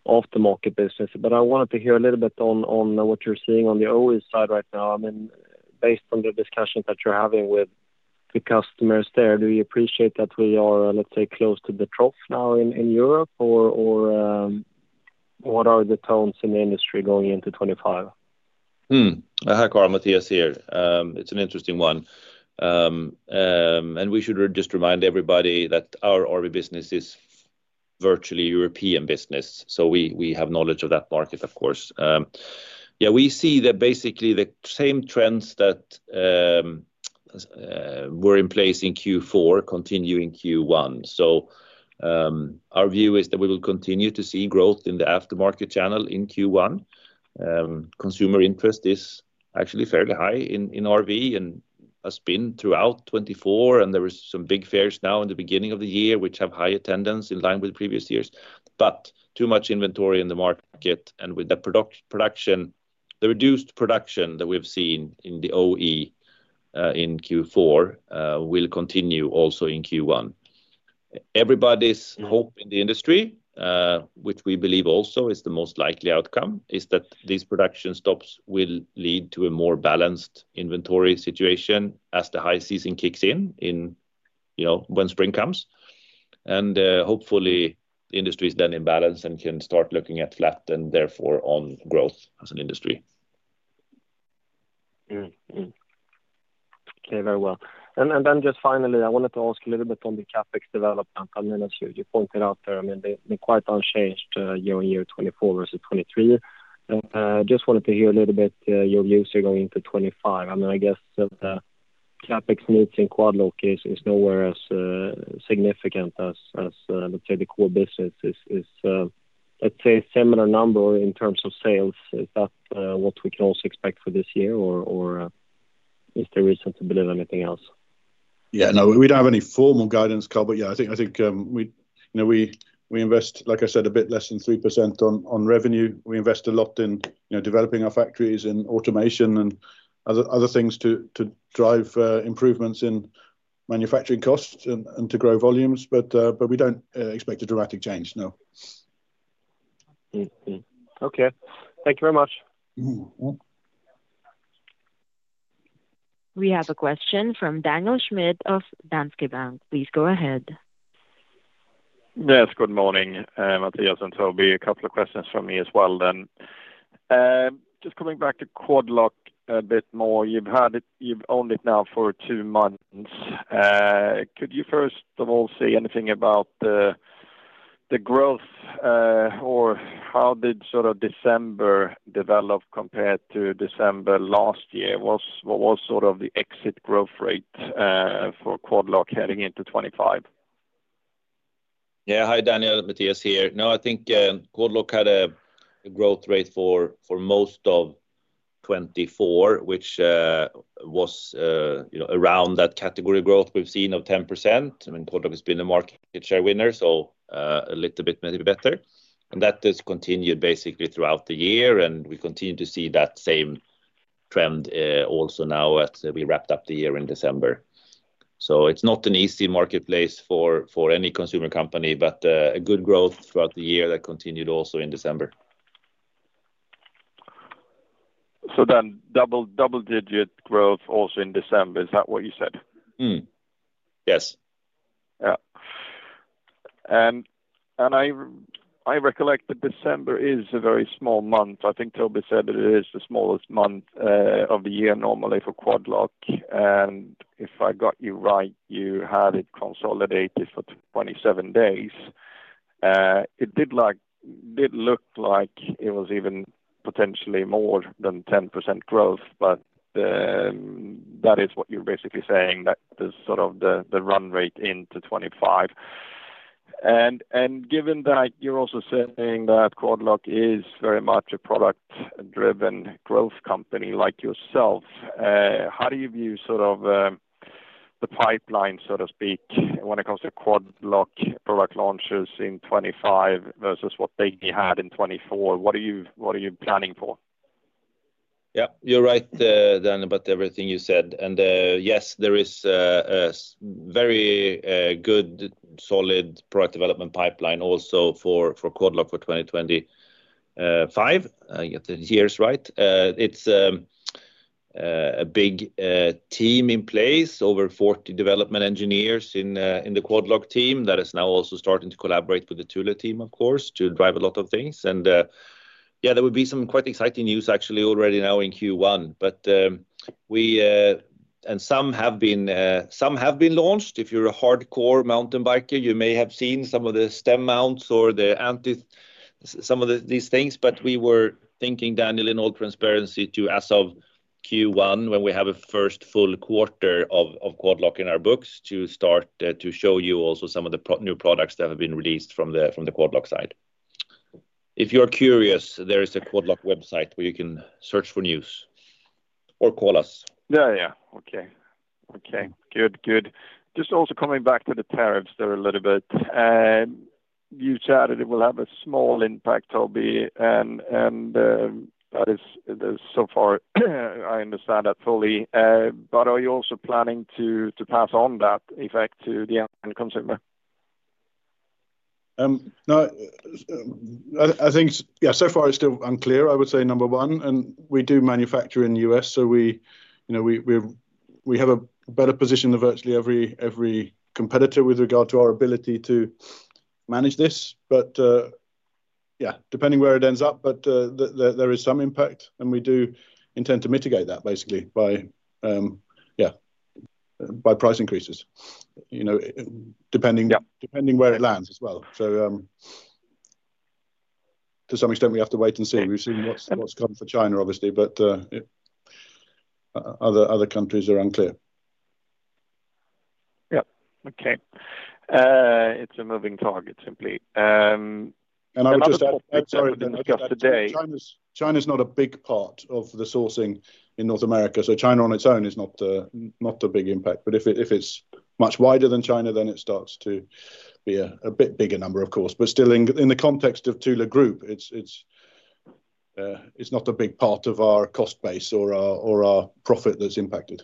aftermarket business, but I wanted to hear a little bit on what you're seeing on the OE side right now. I mean, based on the discussions that you're having with the customers there, do you appreciate that we are, let's say, close to the trough now in Europe, or what are the tones in the industry going into 2025? I heard Carl, Mattias here. It's an interesting one, and we should just remind everybody that our RV business is virtually a European business, so we have knowledge of that market, of course. Yeah, we see that basically the same trends that were in place in Q4 continue in Q1, so our view is that we will continue to see growth in the aftermarket channel in Q1. Consumer interest is actually fairly high in RV and has been throughout 2024, and there were some big fairs now in the beginning of the year, which have high attendance in line with previous years, but too much inventory in the market, and with the reduced production that we've seen in the OE in Q4 will continue also in Q1. Everybody's hope in the industry, which we believe also is the most likely outcome, is that these production stops will lead to a more balanced inventory situation as the high season kicks in when spring comes. And hopefully, the industry is then in balance and can start looking at flat and therefore on growth as an industry. Okay. Very well. And then just finally, I wanted to ask a little bit on the CapEx development. I mean, as you pointed out there, I mean, they're quite unchanged year on year 2024 versus 2023. Just wanted to hear a little bit your views going into 2025. I mean, I guess that the CapEx needs in Quad Lock is nowhere as significant as, let's say, the core business is. Let's say a similar number in terms of sales. Is that what we can also expect for this year, or is there reason to believe anything else? Yeah. No, we don't have any formal guidance, Carl, but yeah, I think we invest, like I said, a bit less than 3% on revenue. We invest a lot in developing our factories and automation and other things to drive improvements in manufacturing costs and to grow volumes, but we don't expect a dramatic change, no. Okay. Thank you very much. We have a question from Daniel Schmidt of Danske Bank. Please go ahead. Yes. Good morning, Mattias. And so it'll be a couple of questions from me as well then. Just coming back to Quad Lock a bit more. You've owned it now for two months. Could you first of all say anything about the growth, or how did sort of December develop compared to December last year? What was sort of the exit growth rate for Quad Lock heading into 2025? Yeah. Hi, Daniel. Mattias here. No, I think Quad Lock had a growth rate for most of 2024, which was around that category growth we've seen of 10%. I mean, Quad Lock has been a market share winner, so a little bit maybe better. And that has continued basically throughout the year, and we continue to see that same trend also now as we wrapped up the year in December. So it's not an easy marketplace for any consumer company, but a good growth throughout the year that continued also in December. So then double-digit growth also in December, is that what you said? Yes. Yeah. And I recollect that December is a very small month. I think Toby said that it is the smallest month of the year normally for Quad Lock. And if I got you right, you had it consolidated for 27 days. It did look like it was even potentially more than 10% growth, but that is what you're basically saying, that sort of the run rate into 2025. And given that you're also saying that Quad Lock is very much a product-driven growth company like yourself, how do you view sort of the pipeline, so to speak, when it comes to Quad Lock product launches in 2025 versus what they had in 2024? What are you planning for? Yeah. You're right, Daniel, about everything you said. And yes, there is a very good, solid product development pipeline also for Quad Lock for 2025. I get the years right. It's a big team in place, over 40 development engineers in the Quad Lock team that is now also starting to collaborate with the Thule team, of course, to drive a lot of things. And yeah, there would be some quite exciting news actually already now in Q1, and some have been launched. If you're a hardcore mountain biker, you may have seen some of the stem mounts or some of these things. But we were thinking, Daniel, in all transparency, as of Q1, when we have a first full quarter of Quad Lock in our books, to start to show you also some of the new products that have been released from the Quad Lock side. If you're curious, there is a Quad Lock website where you can search for news or call us. Yeah. Yeah. Okay. Okay. Good. Good. Just also coming back to the tariffs there a little bit. You said it will have a small impact, Toby, and that is so far I understand that fully. But are you also planning to pass on that effect to the end consumer? No. I think, yeah, so far it's still unclear, I would say, number one, and we do manufacture in the US, so we have a better position than virtually every competitor with regard to our ability to manage this. But yeah, depending where it ends up, but there is some impact, and we do intend to mitigate that basically by, yeah, by price increases, depending where it lands as well, so to some extent, we have to wait and see. We've seen what's come for China, obviously, but other countries are unclear. Yeah. Okay. It's a moving target, simply, and I would just add, sorry- just today. China is not a big part of the sourcing in North America, so China on its own is not a big impact, but if it's much wider than China, then it starts to be a bit bigger number, of course. But still, in the context of Thule Group, it's not a big part of our cost base or our profit that's impacted.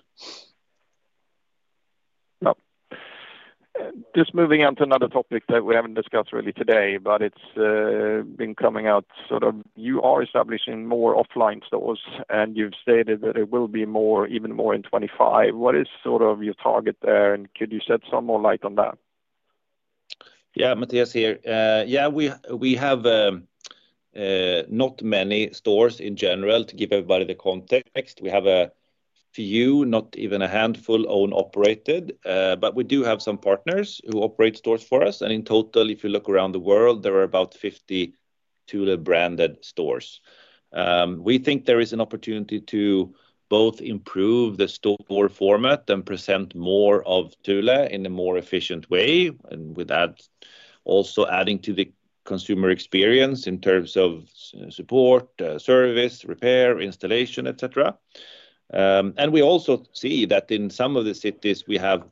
Just moving on to another topic that we haven't discussed really today, but it's been coming out sort of. You are establishing more offline stores, and you've stated that there will be even more in 2025. What is sort of your target there, and could you shed some more light on that? Yeah. Mattias here. Yeah, we have not many stores in general to give everybody the context. We have a few, not even a handful, owned-operated, but we do have some partners who operate stores for us. And in total, if you look around the world, there are about 50 Thule-branded stores. We think there is an opportunity to both improve the store format and present more of Thule in a more efficient way, and with that, also adding to the consumer experience in terms of support, service, repair, installation, etc. And we also see that in some of the cities, we have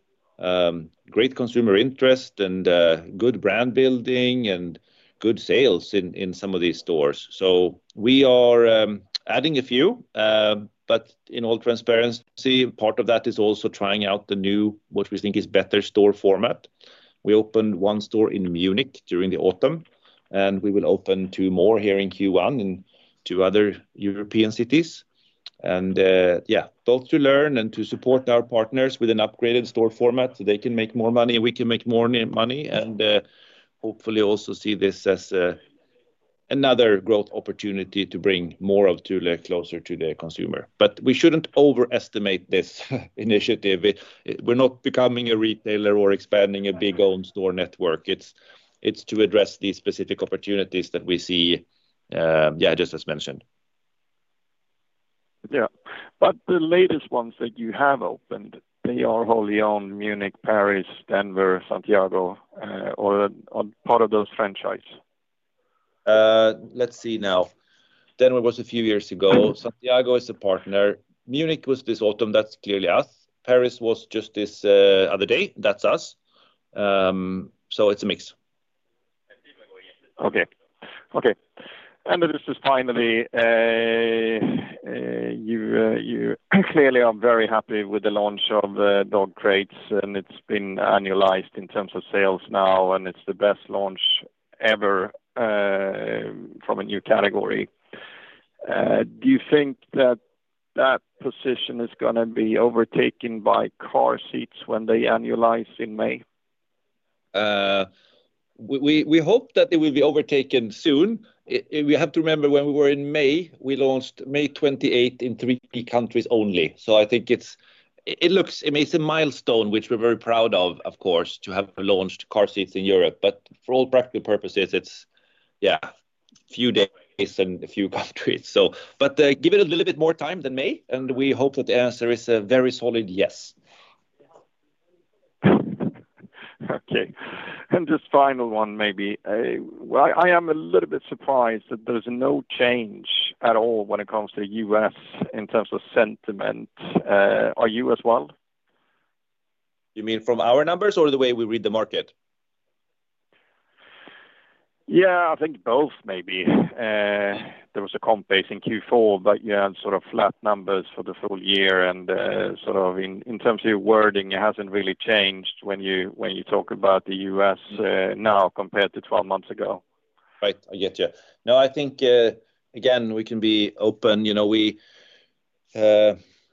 great consumer interest and good brand building and good sales in some of these stores. So we are adding a few, but in all transparency, part of that is also trying out the new, what we think is better store format. We opened one store in Munich during the autumn, and we will open two more here in Q1 in two other European cities. And yeah, both to learn and to support our partners with an upgraded store format so they can make more money and we can make more money, and hopefully also see this as another growth opportunity to bring more of Thule closer to the consumer. But we shouldn't overestimate this initiative. We're not becoming a retailer or expanding a big owned store network. It's to address these specific opportunities that we see, yeah, just as mentioned. Yeah. But the latest ones that you have opened, they are wholly owned: Munich, Paris, Denver, Santiago, or part of those franchises? Let's see now. Denver was a few years ago. Santiago is a partner. Munich was this autumn. That's clearly us. Paris was just this other day. That's us. So it's a mix. Okay. Okay. And this is finally. You clearly are very happy with the launch of dog crates, and it's been annualized in terms of sales now, and it's the best launch ever from a new category. Do you think that that position is going to be overtaken by car seats when they annualize in May? We hope that it will be overtaken soon. We have to remember when we were in May, we launched 28 May in three countries only. So I think it looks, I mean, it's a milestone, which we're very proud of, of course, to have launched car seats in Europe. But for all practical purposes, it's, yeah, a few days and a few countries. But give it a little bit more time than May, and we hope that the answer is a very solid yes. Okay. And just final one maybe. I am a little bit surprised that there's no change at all when it comes to the US in terms of sentiment. Are you as well? You mean from our numbers or the way we read the market? Yeah. I think both, maybe. There was a comp base in Q4, but yeah, sort of flat numbers for the full year, and sort of in terms of your wording, it hasn't really changed when you talk about the US now compared to 12 months ago. Right. I get you. No, I think, again, we can be open. We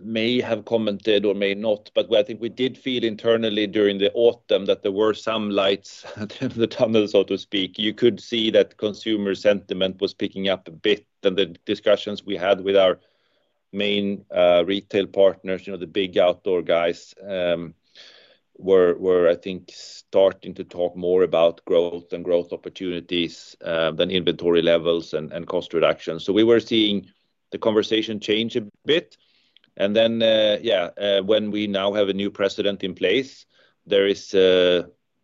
may have commented or may not, but I think we did feel internally during the autumn that there were some lights at the end of the tunnel, so to speak. You could see that consumer sentiment was picking up a bit, and the discussions we had with our main retail partners, the big outdoor guys, were, I think, starting to talk more about growth and growth opportunities than inventory levels and cost reductions, so we were seeing the conversation change a bit, and then, yeah, when we now have a new president in place, there is,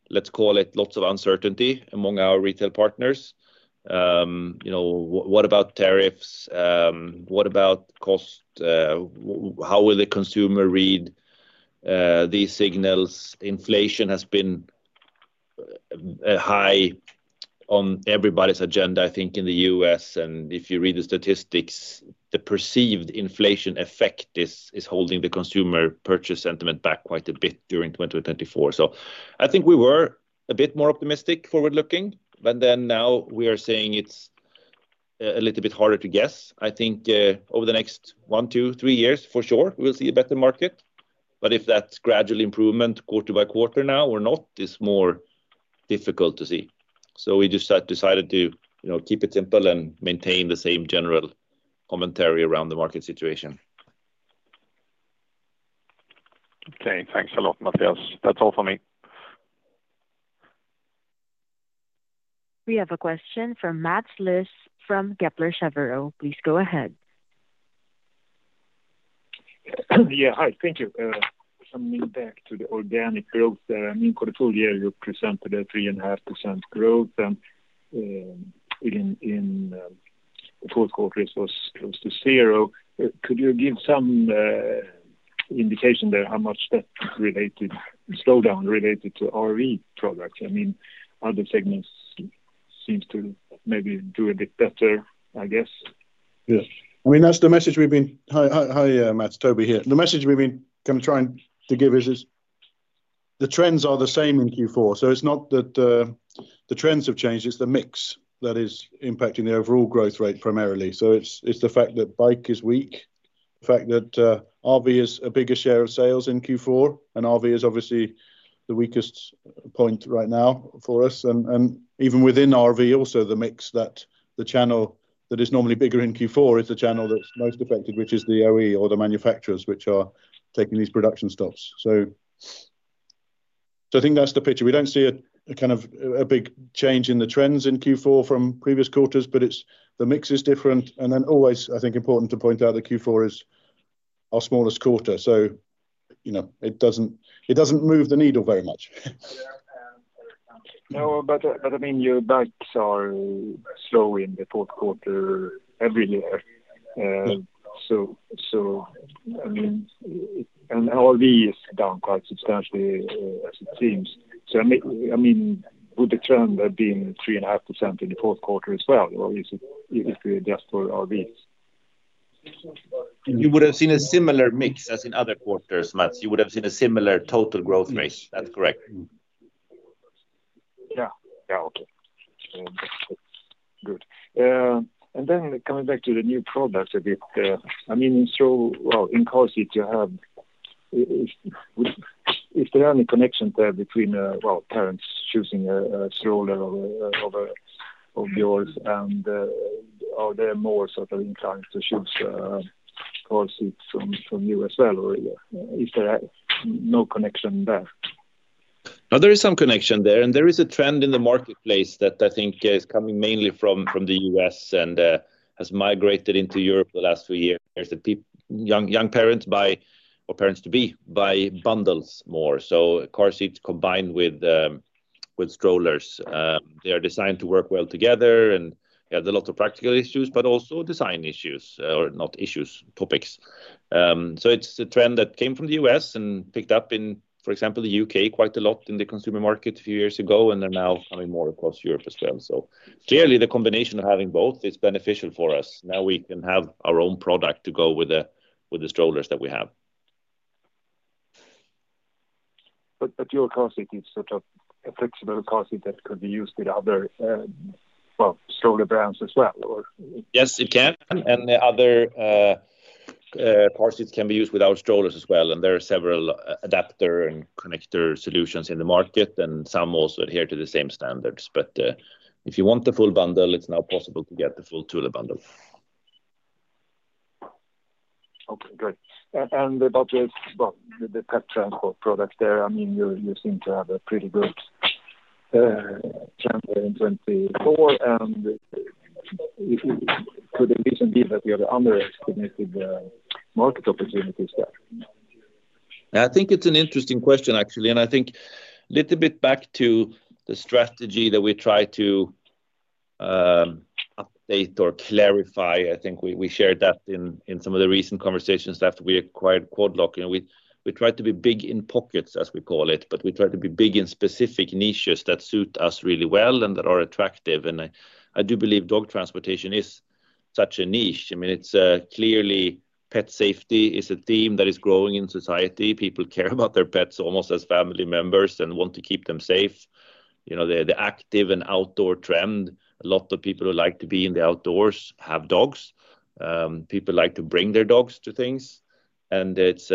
let's call it, lots of uncertainty among our retail partners. What about tariffs? What about cost? How will the consumer read these signals? Inflation has been high on everybody's agenda, I think, in the US and if you read the statistics, the perceived inflation effect is holding the consumer purchase sentiment back quite a bit during 2024, so I think we were a bit more optimistic, forward-looking, but then now we are saying it's a little bit harder to guess. I think over the next one, two, three years, for sure, we will see a better market. But if that's gradual improvement quarter by quarter now or not, it's more difficult to see. So we just decided to keep it simple and maintain the same general commentary around the market situation. Okay. Thanks a lot, Mattias. That's all for me. We have a question from Mats Liss from Kepler Cheuvreux. Please go ahead. Yeah. Hi. Thank you. Coming back to the organic growth, I mean, for the full year, you presented a 3.5% growth, and in the Q4, it was close to zero. Could you give some indication there how much that slowdown related to RV products? I mean, other segments seem to maybe do a bit better, I guess. Yes. I mean, that's the message we've been. Hi, Mats, Toby here. The message we've been going to try and give is the trends are the same in Q4. So it's not that the trends have changed. It's the mix that is impacting the overall growth rate primarily. So it's the fact that bike is weak, the fact that RV is a bigger share of sales in Q4, and RV is obviously the weakest point right now for us. And even within RV, also the mix that the channel that is normally bigger in Q4 is the channel that's most affected, which is the OE or the manufacturers which are taking these production stops. So I think that's the picture. We don't see a kind of big change in the trends in Q4 from previous quarters, but the mix is different. And then always, I think, important to point out that Q4 is our smallest quarter. So it doesn't move the needle very much. No, but I mean, your bikes are slow in the Q4 every year. So I mean, and RV is down quite substantially, as it seems. So I mean, would the trend have been 3.5% in the Q4 as well, or is it just for RVs? You would have seen a similar mix as in other quarters, Matt. You would have seen a similar total growth rate. That's correct. Yeah. Yeah. Okay. Good. And then coming back to the new products a bit, I mean, well, in car seats, if there are any connections there between, well, parents choosing a stroller over yours, and are there more sort of inclined to choose car seats from you as well, or is there no connection there? No, there is some connection there. There is a trend in the marketplace that I think is coming mainly from the US and has migrated into Europe the last few years. Young parents buy or parents-to-be buy bundles more. Car seats combined with strollers, they are designed to work well together. And yeah, there are lots of practical issues, but also design issues, or not issues, topics. It's a trend that came from the US. and picked up in, for example, the UK quite a lot in the consumer market a few years ago, and they're now coming more across Europe as well. Clearly, the combination of having both is beneficial for us. Now we can have our own product to go with the strollers that we have. But your car seat is sort of a flexible car seat that could be used with other, well, stroller brands as well, or? Yes, it can. And other car seats can be used without strollers as well. And there are several adapter and connector solutions in the market, and some also adhere to the same standards. But if you want the full bundle, it's now possible to get the full Thule bundle. Okay. Good. And about the pet transport product there, I mean, you seem to have a pretty good trend there in 2024. And could it be that you have underestimated the market opportunities there? I think it's an interesting question, actually. And I think a little bit back to the strategy that we try to update or clarify. I think we shared that in some of the recent conversations after we acquired Quad Lock. We try to be big in pockets, as we call it, but we try to be big in specific niches that suit us really well and that are attractive. And I do believe dog transportation is such a niche. I mean, clearly, pet safety is a theme that is growing in society. People care about their pets almost as family members and want to keep them safe. The active and outdoor trend, a lot of people who like to be in the outdoors have dogs. People like to bring their dogs to things. And it's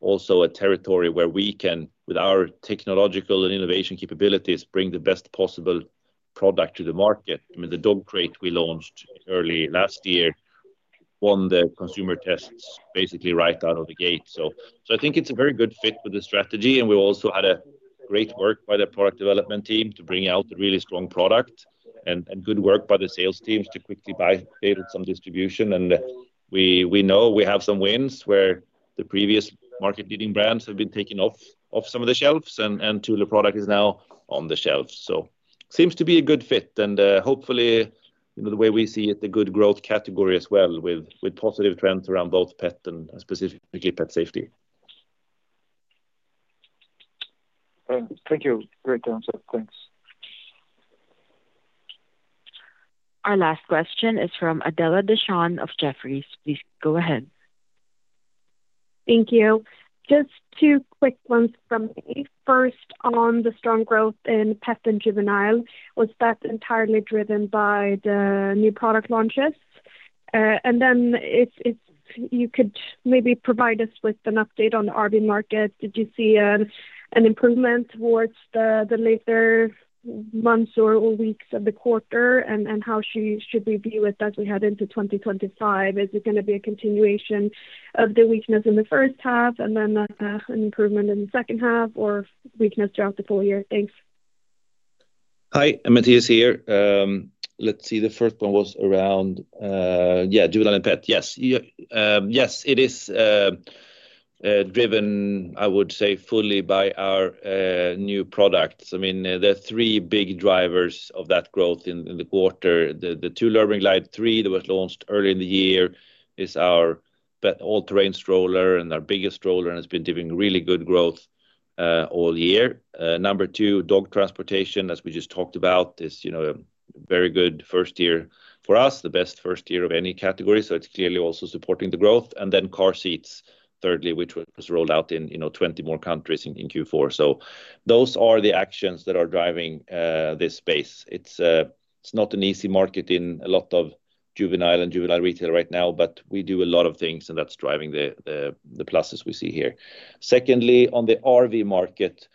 also a territory where we can, with our technological and innovation capabilities, bring the best possible product to the market. I mean, the dog crate we launched early last year won the consumer tests basically right out of the gate. So I think it's a very good fit with the strategy. And we also had great work by the product development team to bring out a really strong product and good work by the sales teams to quickly buy some distribution. And we know we have some wins where the previous market-leading brands have been taken off some of the shelves, and Thule product is now on the shelves. So it seems to be a good fit. And hopefully, the way we see it, the good growth category as well with positive trends around both pet and specifically pet safety. Thank you. Great answer. Thanks. Our last question is from Adela Dashian of Jefferies. Please go ahead. Thank you. Just two quick ones from me. First, on the strong growth in pet and juvenile, was that entirely driven by the new product launches? And then if you could maybe provide us with an update on the RV market. Did you see an improvement towards the later months or weeks of the quarter? And how should we view it as we head into 2025? Is it going to be a continuation of the weakness in the first half and then an improvement in the second half or weakness throughout the full year? Thanks. Hi. Mattias here. Let's see. The first one was around, yeah, juvenile and pet. Yes. Yes, it is driven, I would say, fully by our new products. I mean, there are three big drivers of that growth in the quarter. The Thule Urban Glide 3 that was launched early in the year is our all-terrain stroller and our biggest stroller and has been giving really good growth all year. Number two, dog transportation, as we just talked about, is a very good first year for us, the best first year of any category. So it's clearly also supporting the growth. And then car seats, thirdly, which was rolled out in 20 more countries in Q4. So those are the actions that are driving this space. It's not an easy market in a lot of juvenile and juvenile retail right now, but we do a lot of things, and that's driving the pluses we see here. Secondly, on the RV market,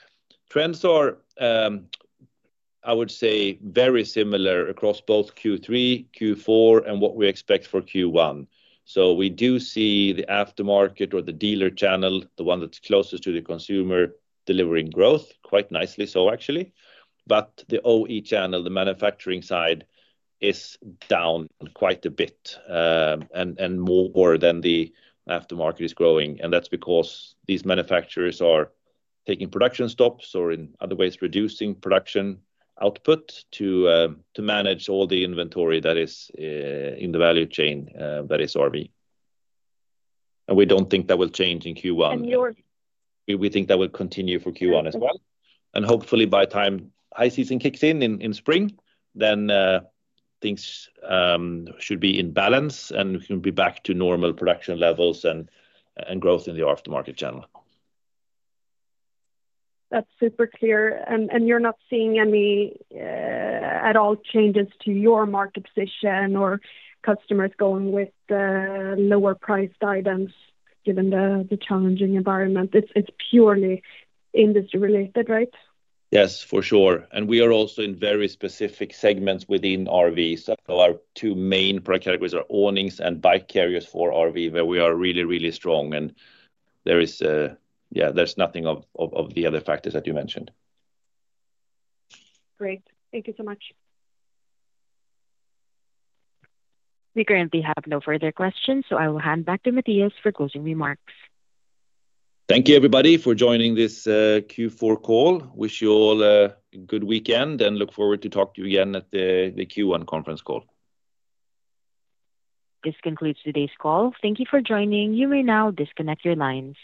trends are, I would say, very similar across both Q3, Q4, and what we expect for Q1. So we do see the aftermarket or the dealer channel, the one that's closest to the consumer, delivering growth quite nicely, so actually. But the OE channel, the manufacturing side, is down quite a bit and more than the aftermarket is growing. And that's because these manufacturers are taking production stops or, in other ways, reducing production output to manage all the inventory that is in the value chain that is RV. And we don't think that will change in Q1. We think that will continue for Q1 as well. And hopefully, by the time high season kicks in in spring, then things should be in balance, and we can be back to normal production levels and growth in the aftermarket channel. That's super clear. And you're not seeing any at all changes to your market position or customers going with lower price guidance given the challenging environment. It's purely industry-related, right? Yes, for sure. And we are also in very specific segments within RV. So our two main product categories are awnings and bike carriers for RV, where we are really, really strong. Yeah, there's nothing of the other factors that you mentioned. Great. Thank you so much. We currently have no further questions, so I will hand back to Mattias for closing remarks. Thank you, everybody, for joining this Q4 call. Wish you all a good weekend and look forward to talking to you again at the Q1 conference call. This concludes today's call. Thank you for joining. You may now disconnect your lines.